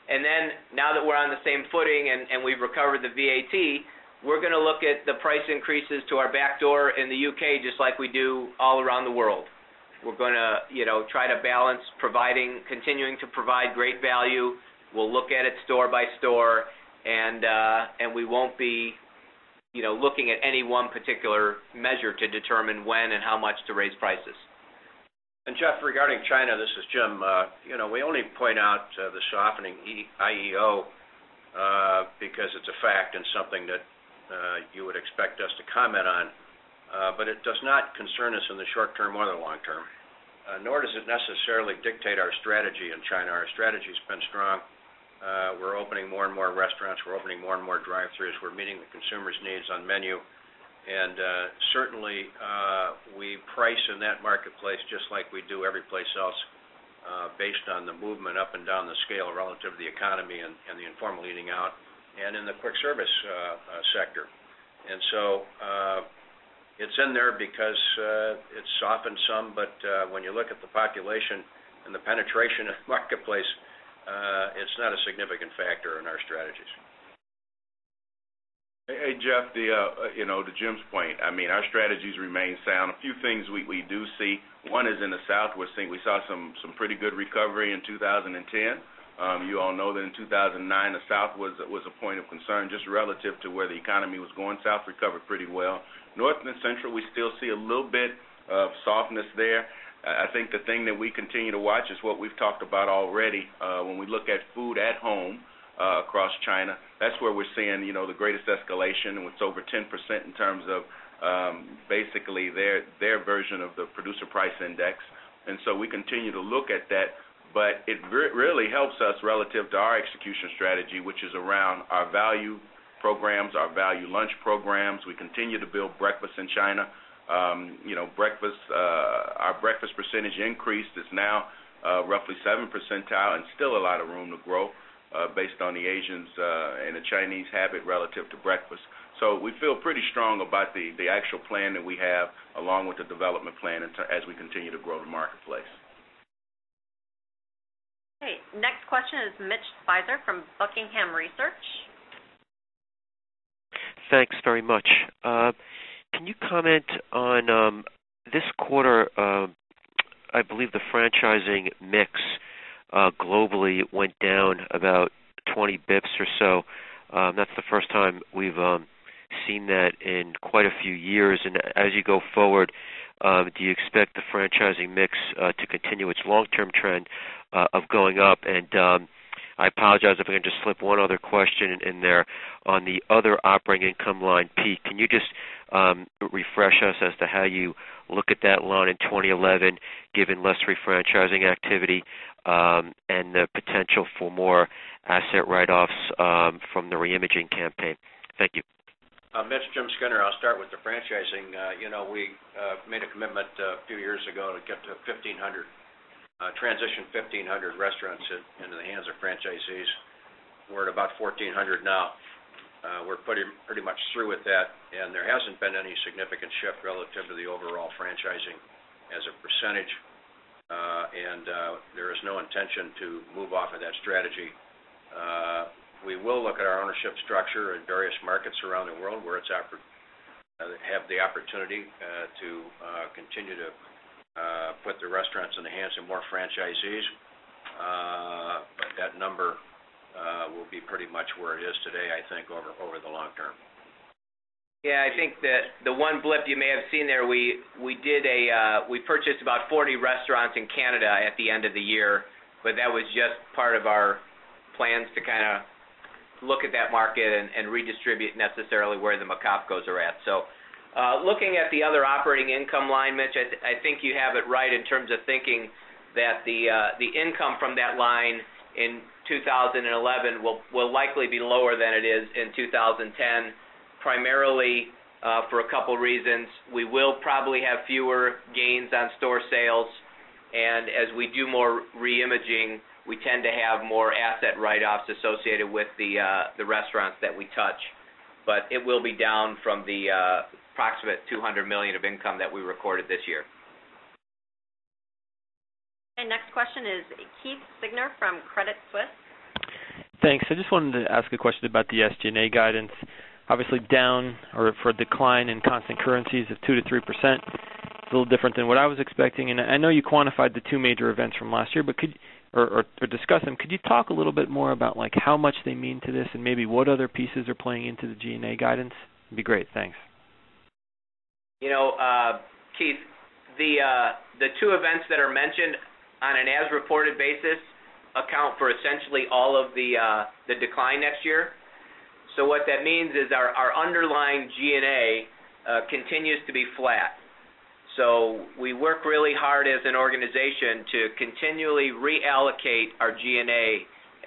And then now that we're on the same footing and we've recovered the VAT, we're going to look at the price increases to our backdoor in the U. K. Just like we do all around the world. We're going to try to balance providing continuing to provide great value. We'll look at it store by store and we won't be looking at any one particular measure to determine when and how much to raise prices. And Jeff, regarding China, this is Jim. We only point out the softening IEO because it's a fact and something that you would expect us to comment on. But it does not concern us in the short term or the long term, nor does it necessarily dictate our strategy in China. Our strategy has been strong. We're opening more and more restaurants. We're opening more and more drive thrus. We're meeting the consumers' needs on menu. And certainly, we price in that market place just like we do every place else based on the movement up and down the scale relative to the economy and the informal leading out and in the quick service sector. And so, it's in there because it softened some, but when you look at the population and the penetration of marketplace, it's not a significant factor in our strategies. Hey, Jeff, to Jim's point, I mean, our strategies remain sound. Few things we do see, one is in the South, we're seeing we saw some pretty good recovery in 2010. You all know that in 2,009, the South was a point of concern just relative to where the economy was going, South recovered pretty well. North and Central, we still see a little bit of softness there. I think the thing that we continue to watch is what we've talked about already. When we look at food at home across China, that's where we're seeing the greatest escalation and it's over 10% in terms of basically their version of the producer price index. And so we continue to look at that, but it really helps us relative to our execution strategy, which is around our value programs, our value lunch programs. We continue to build breakfast in China. Our breakfast percentage increase is now roughly 7 percentile and still a lot of room to grow based on the Asians and the Chinese habit relative to breakfast. So we feel pretty strong about the actual plan that we have along with the development plan as we continue to grow the marketplace. Okay. Next question is Mitch Speiser from Buckingham Research. Thanks very much. Can you comment on this quarter, I believe the franchising mix globally went down about 20 bps or so. That's the first time we've seen that in quite a few years. And as you go forward, do you expect the franchising mix to continue its long term trend of going up? And I apologize if I can just slip one other question in there on the other operating income line. Pete, can you just refresh us as to how you look at that loan in 2011 given less refranchising activity and the potential for more asset write offs from the reimaging campaign? Thank you. Mitch, Jim Skinner. I'll start with the franchising. We made a commitment a few years ago to get to 1500 transition 1500 restaurants into the hands of franchisees. We're at about 1400 now. We're pretty much through with that and there hasn't been any significant shift relative to the overall franchising as a percentage. And there is no intention to move off of that strategy. We will look at our ownership structure in various markets around the world where it's have the opportunity to continue to put the restaurants in the hands of more franchisees. That number will be pretty much where it is today, I think, over the long term. Yes. I think that the one blip you may have seen there, we did a we purchased about 40 restaurants in Canada at the end of the year, but that was just part of our plans to kind of look at that market and redistribute necessarily where the Macavcos are at. So, looking at the other operating income line, Mitch, I think you have it right in terms of thinking that the income from that line in 2011 will likely be lower than it is in 2010, primarily for a couple of reasons. We will probably have fewer gains on store sales. And as we do more reimaging, we tend to have more asset write offs associated with the restaurants that we touch. But it will be down from the approximate $200,000,000 of income that we recorded this year. And next question is Keith Signer from Credit Suisse. Thanks. I just wanted to ask a question about the SG and A guidance. Obviously, down or for decline in constant currencies of 2% to 3%, a little different than what I was expecting. And I know you quantified the 2 major events from last year, but could or discuss them. Could you talk a little bit more about like how much they mean to this and maybe what other pieces are playing into the G and A guidance? It would be great. Thanks. Keith, the two events that are mentioned on an as reported basis account for essentially all of the decline next year. So what that means is our underlying G and A getting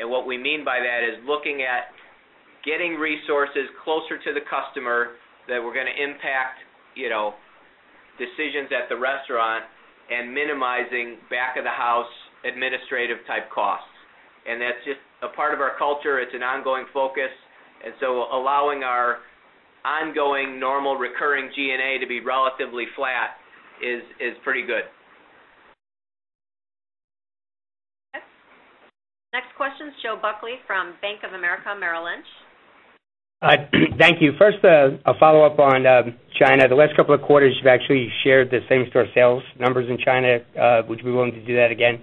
And what we mean by that is looking at getting resources closer to the customer that we're going to impact decisions at the restaurant and minimizing back of the house administrative type costs. And that's just a part of our culture. It's an ongoing focus. And so allowing our ongoing normal recurring G and A to be relatively flat is pretty good. Next question is Joe Buckley from Bank of America Merrill Lynch. Thank you. First, a follow-up on China. The last couple of quarters, you've actually shared the same store sales numbers in China. Would you be willing to do that again?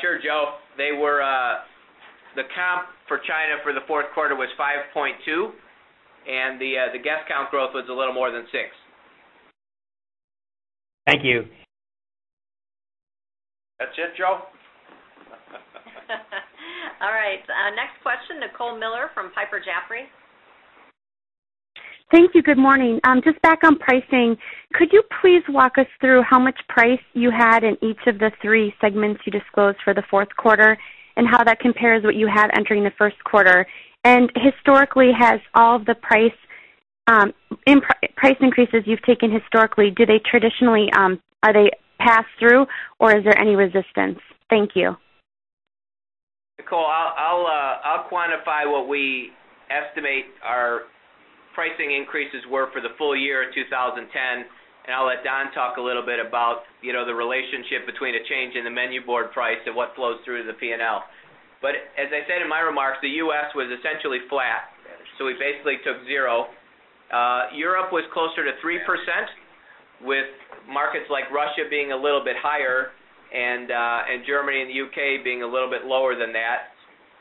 Sure, Joe. They were the comp for China for the Q4 was 5.2 and the guest count growth was a little more than 6. Thank you. That's it, Joe. All right. Next question, Nicole Miller from Piper Jaffray. Thank you. Good morning. Just back on pricing, could you please walk us through how much price you had in each of the 3 segments you disclosed for the Q4 and how that compares what you had entering the Q1? And historically has all the price increases you've taken historically, do they traditionally, are they pass through or is there any resistance? Thank you. Nicole, I'll quantify what we estimate our pricing increases were for the full year of 2010 and I'll let Don talk a little bit about the relationship between a change in the menu board price and what flows through the P and L. But as I said in my remarks, the U. S. Was essentially flat. So, we basically took 0. Europe was closer to 3% with markets like Russia being a little bit higher and Germany and the U. K. Being a little bit lower than that.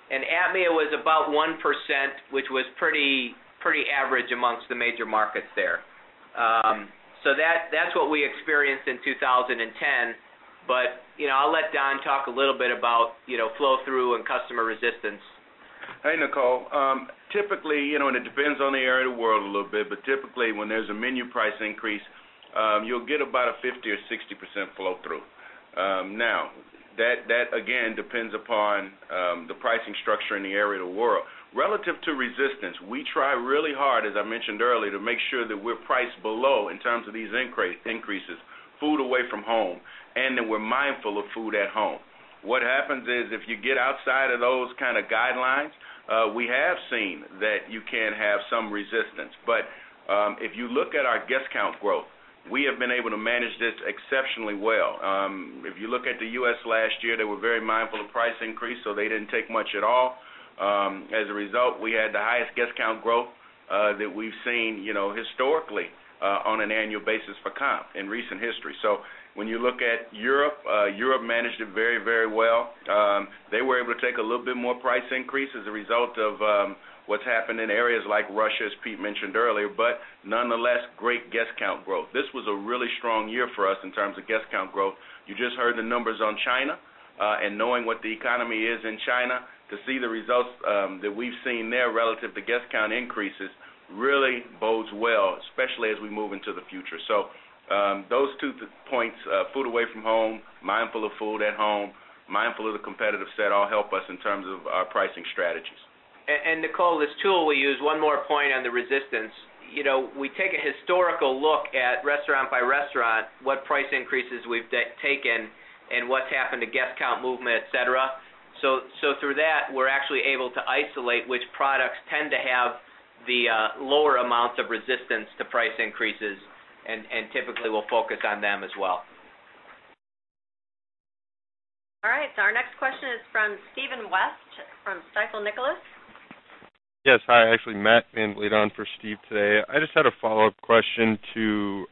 And ABMEA was about 1%, which was pretty average amongst the major markets there. So that's what we experienced in 2010. But I'll let Don talk a little bit about flow through and customer resistance. Hi, Nicole. Typically, and it depends on the area of the world a little bit, but typically when there's a menu price increase, you'll get about a 50% or 60% flow through. Now that again depends upon the pricing structure in the area of the world. Relative to resistance, we try really hard, as I mentioned earlier, to make sure that we're priced below in terms of these increases, food away from home, and then we're mindful of food at home. What happens is if you get outside of those kind of guidelines, we have seen that you can have some resistance. But if you look at our guest count growth, we have been able to manage this exceptionally well. If you look at the U. S. Last year, they were very mindful of price increase, so they didn't take much at all. As a result, we had the highest guest count growth that we've seen historically on an annual basis for comp in recent history. So when you look at Europe, Europe managed it very, very well. They were able to take a little bit more price increase as a result of what's happened in areas like Russia, as Pete mentioned earlier, but nonetheless, great guest count growth. This was a really strong year for us in terms of guest count growth. You just heard the numbers on China, and knowing what the economy is in China to see the results, that we've seen there relative to guest count increases really bodes well, especially as we move into the future. So those two points, food away from home, mindful of food at home, mindful of the competitive set, all help us in terms of our pricing strategies. And Nicole, this tool will use one more point on the resistance. We take a historical look at restaurant by restaurant what price increases we've taken and what's happened to guest count movement, etcetera. So through that, we're actually able to isolate which products tend to have the lower amounts of resistance to price increases and typically we'll focus on them as well. All right. So our next question is from Stephen West from Stifel Nicolaus. Yes. Hi. Actually Matt Van Bled on for Steve today. I just had a follow-up question to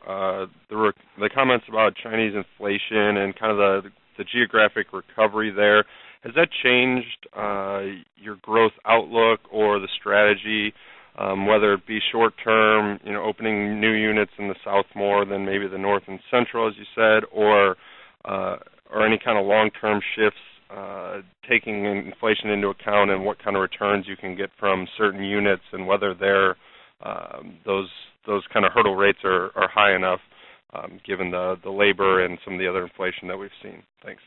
the comments about Chinese inflation and kind of the geographic recovery there. Has that changed your growth outlook or the strategy, whether it be short term, opening new units in the South more than maybe the North and Central as you said or any kind of long term shifts taking inflation into account and what kind of returns you can get from certain units and whether they're those kind of hurdle rates are high enough given the labor and some of the other inflation that we've seen? Thanks.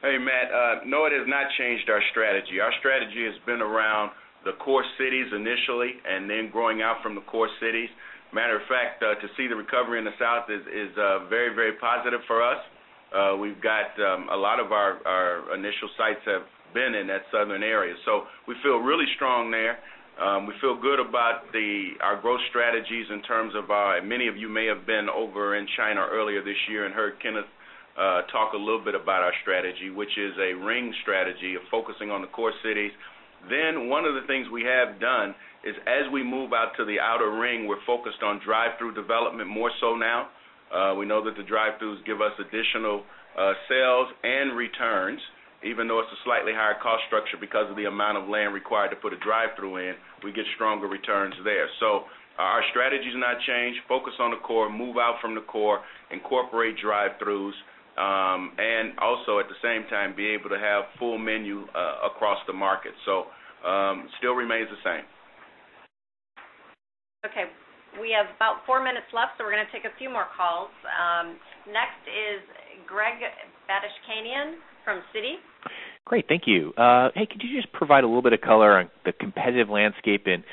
Hey, Matt. No, it has not changed our strategy. Our strategy has been around the core cities initially and then growing out from the core cities. Matter of fact, to see the recovery in the south is very, very positive for us. We've got a lot of our initial sites have been in that southern area. So we feel really strong there. We feel good about the our growth strategies in terms of our many of you may have been over in China earlier this year and heard Kenneth talk a little bit about our strategy, which is a ring strategy of focusing on the core cities. Then one of the things we have done is as we move out to the outer ring, we're focused on drive through development more so now. We know that the drive throughs give us additional sales and returns, even though it's a slightly higher cost structure because of the amount of land required to put a drive thru in, we get stronger returns there. So our strategy has not changed, focus on the core, move out from the core, incorporate drive throughs, and also at the same time be able to have full menu across the market. So, still remains the same. Okay. We have about 4 minutes left, so we're going to take a few more calls. Next is Greg Badishkanian from Citi. Great. Thank you. Could you just provide a little bit of color on the competitive landscape in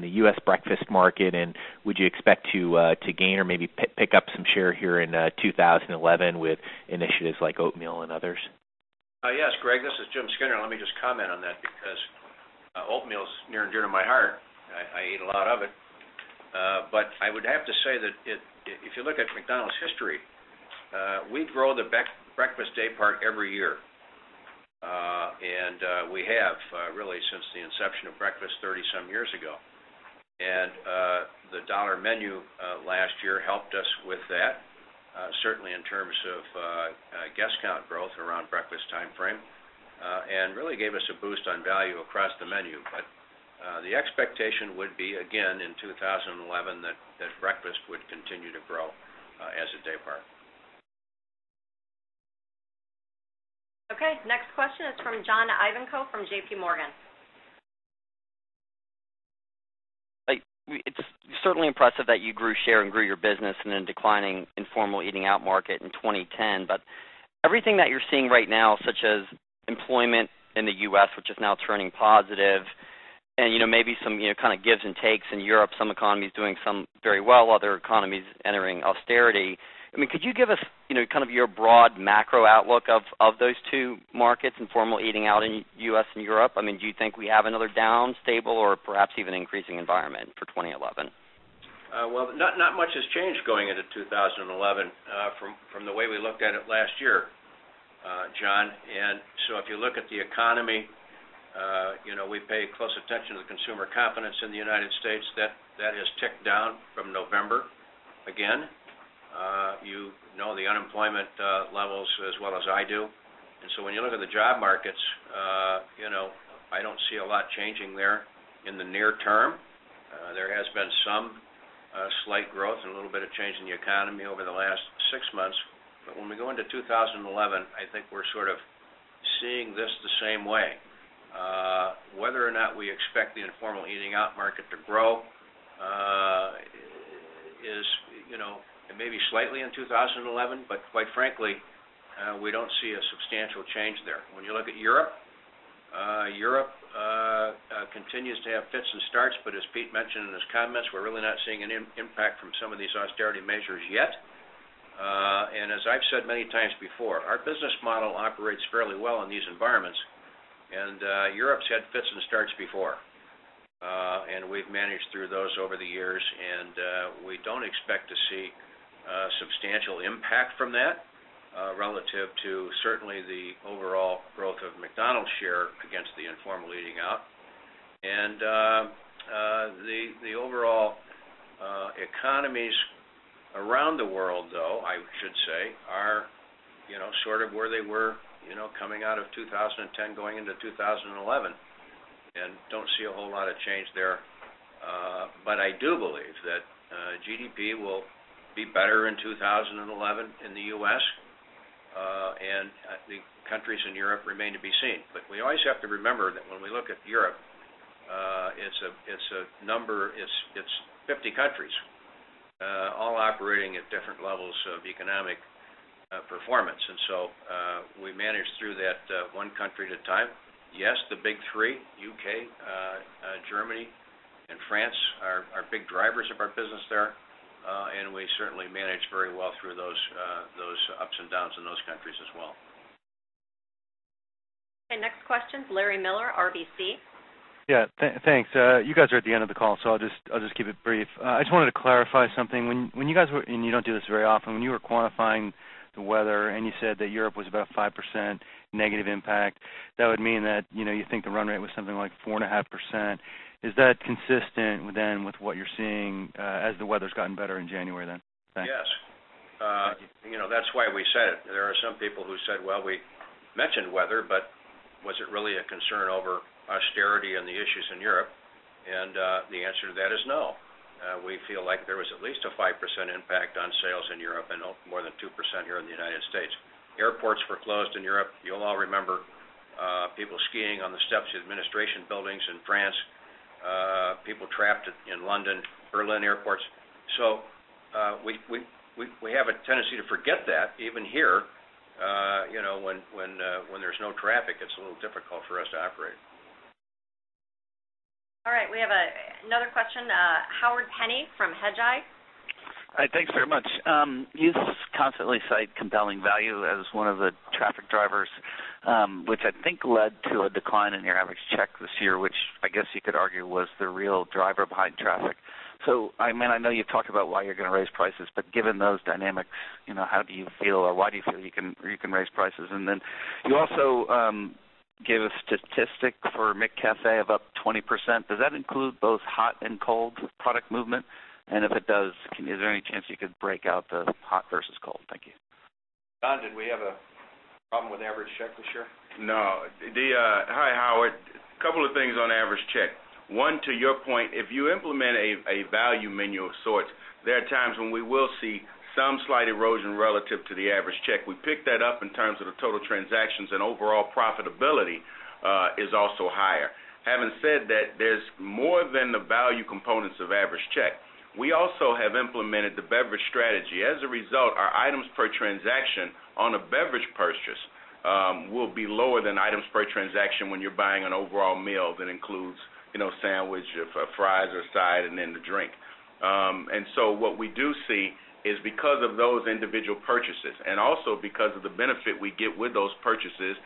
the U. S. Breakfast market? And would you expect to gain or maybe pick up some share here in 2011 with initiatives like oatmeal and others? Yes, Greg. This is Jim Skinner. Let me just comment on that because oatmeal is near and dear to my heart. I eat a lot of it. But I would have to say that if you look at McDonald's history, we grow the breakfast daypart every year. And we have really since the inception of breakfast 30 some years ago. And the dollar menu last year helped us with that, certainly in terms of guest count growth around breakfast timeframe and really gave us a boost on value across the menu. But the expectation would be again in 2011 that breakfast would continue to grow as a daypart. Okay. Next question is from John Ivankoe from JPMorgan. It's certainly impressive that you grew share and grew your business 20 10. But everything that you're seeing right now such as employment in the U. S, which is now turning positive and maybe some kind of gives and takes in Europe, some economies doing some very well, other economies entering austerity. I mean, could you give us kind of your broad macro outlook of those 2 markets informal eating out in U. S. And Europe? I mean, do you think we have another down stable or perhaps even increasing environment for 2011? Well, not much has changed going into 2011 from the way we looked at it last year, John. And so, if you look at the economy, we pay close attention to the consumer confidence in the United States that that has ticked down from November. Again, you know the unemployment levels as well as I do. And so when you look at the job markets, I don't see a lot changing there in the near term. There has been some slight growth and a little bit of change in the economy over the last 6 months. When we go into 2011, I think we're sort of seeing this the same way. Whether or not we expect the informal eating out market to grow is and maybe slightly in 2011, but quite frankly, we don't see a substantial change there. When you look at Europe, Europe continues to have fits and starts. But as Pete mentioned in his comments, we're really not seeing any impact from some of these austerity measures yet. And as I've said many times before, our business model operates fairly well in these environments. And Europe's had fits and starts before. And we've managed through those over the years and we don't expect to see substantial impact from that relative to certainly the overall growth of McDonald's share against the informal leading out. And the overall economies around the world though, I should say, are sort of where they were coming out of 2010 going into 2011 and don't see a whole lot of change there. But I do believe that GDP will be better in 2011 in the U. S. And the countries in Europe remain to be seen. But we always have to remember that when we look at Europe, it's a number it's 50 countries, all operating at different levels of economic performance. And so, we manage through that one country at a time. Yes, the big three, UK, Germany, and France are big drivers of our business there, and we certainly manage very well through those ups and downs in those countries as well. And next question is Larry Miller, RBC. Yes. Thanks. You guys are at the end of the call, so I'll just keep it brief. I just wanted to clarify something. When you guys were and you don't do this very often, when you were quantifying the weather and you said that Europe was about 5% negative impact, that would mean that you think the run rate was something like 4.5%. Is that consistent then with what you're seeing as the weather has gotten better in January then? Thanks. Yes. That's why we said it. There are some people who said, well, we mentioned weather, but was it really a concern over austerity and the issues in Europe? And the answer to that is no. We feel like there was at least 5% impact on sales in Europe and more than 2% here in the United States. Airports were closed in Europe. You'll all remember people skiing on the steps of administration buildings in France, people trapped in London, Berlin airports. So, we have a tendency to forget that even here. When there's no traffic, it's a little difficult for us to operate. All right. We have another question. Howard Penny from Hedgeye. Hi. Thanks very much. You constantly cite compelling value as one of the traffic drivers, which I think led to a decline in your average check this year, which I guess you could argue was the real driver behind traffic. So I mean, I know you've talked about why you're going to raise prices, but given those dynamics, how do you feel or why do you feel you can raise prices? And then you also gave a statistic for McCafe of up 20%. Does that include both hot and cold product movement? And if it does, is there any chance you could break out the hot versus cold? Thank you. Don, did we have a problem with average check this year? No. Hi, Howard. A sorts, there are times when we will see some slight erosion relative to the average check. We picked that up in terms of the total transactions and overall profitability, is also higher. Having said that, there's more than the value components of average check. We also have implemented the beverage strategy. As a result, our items per transaction on a beverage purchase will be lower than items per transaction when you're buying an overall meal that includes sandwich, fries or side and then the drink. And so what we do see is because of those individual purchases and also because of the benefit we get with those purchases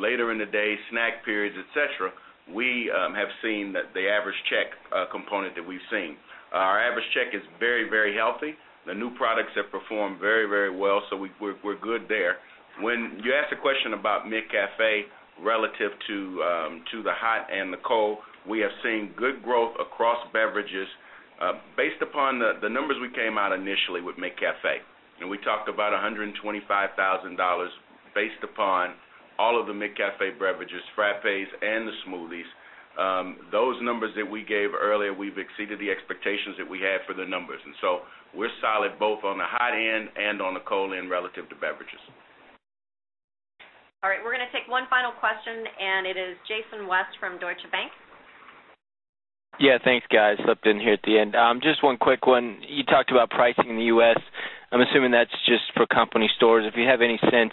later in the day, snack periods, etcetera, we have seen the average check component that we've seen. Our average check is very, very healthy. The new products have performed very, very well. So we're good there. When you asked the question about McCafe relative to the hot and the cold, we are seeing good growth across beverages based upon the numbers we came out initially with McCafe. And we talked about $125,000 based upon all of the McCafe beverages, frappes and the smoothies. Those numbers that we gave earlier, we've exceeded the expectations that we have for the numbers. And so we're solid both on the hot end and on the cold end relative to beverages. We're going to take one final question and it is Jason West from Deutsche Bank. Just one quick one. You talked about pricing in the U. S. I'm assuming that's just for company stores. If you have any sense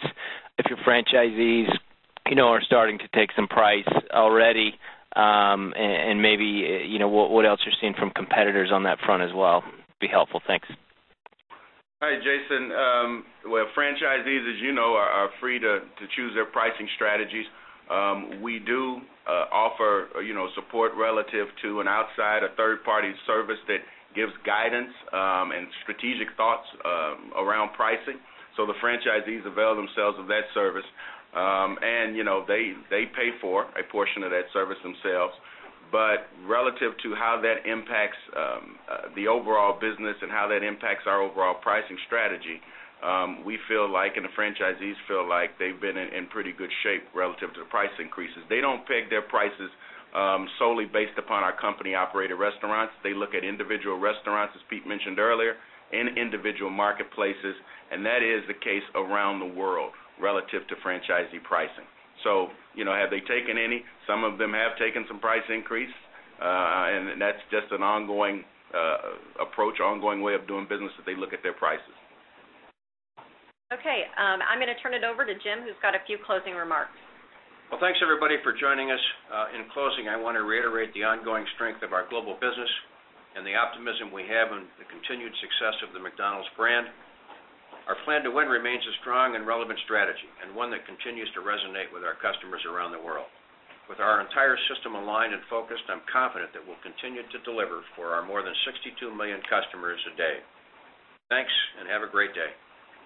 if your franchisees are starting to take some price already and maybe what else you're seeing from competitors on that front as well would be helpful? Thanks. Hi, Jason. Well, franchisees as you know, are free to choose their pricing strategies. We do offer support relative to an outside or third party service that gives guidance and strategic thoughts around pricing. So the franchisees avail themselves of that service and they pay for a portion of that service themselves. But relative to how that impacts the overall business and how that impacts our overall pricing strategy, we feel like and the franchisees feel like they've been in pretty good shape relative to the price increases. They don't peg their prices solely based upon our company operated restaurants. They look at individual restaurants, as Pete mentioned earlier, in individual marketplaces And that is the case around the world relative to franchisee pricing. So have they taken any? Some of them have taken some price increase, and that's just an ongoing approach, ongoing way of doing business as they look at their prices. Okay. I'm going to turn it over to Jim who's got a few closing remarks. Well, thanks everybody for joining us. In closing, I want to reiterate the ongoing strength of our global business and the optimism we have and continued success of the McDonald's brand. Our plan to win remains a strong and relevant strategy and one that continues to resonate with our customers around the world. With our entire system aligned and focused, I'm confident that we'll continue to deliver for our more than 62,000,000 customers a day. Thanks and have a great day.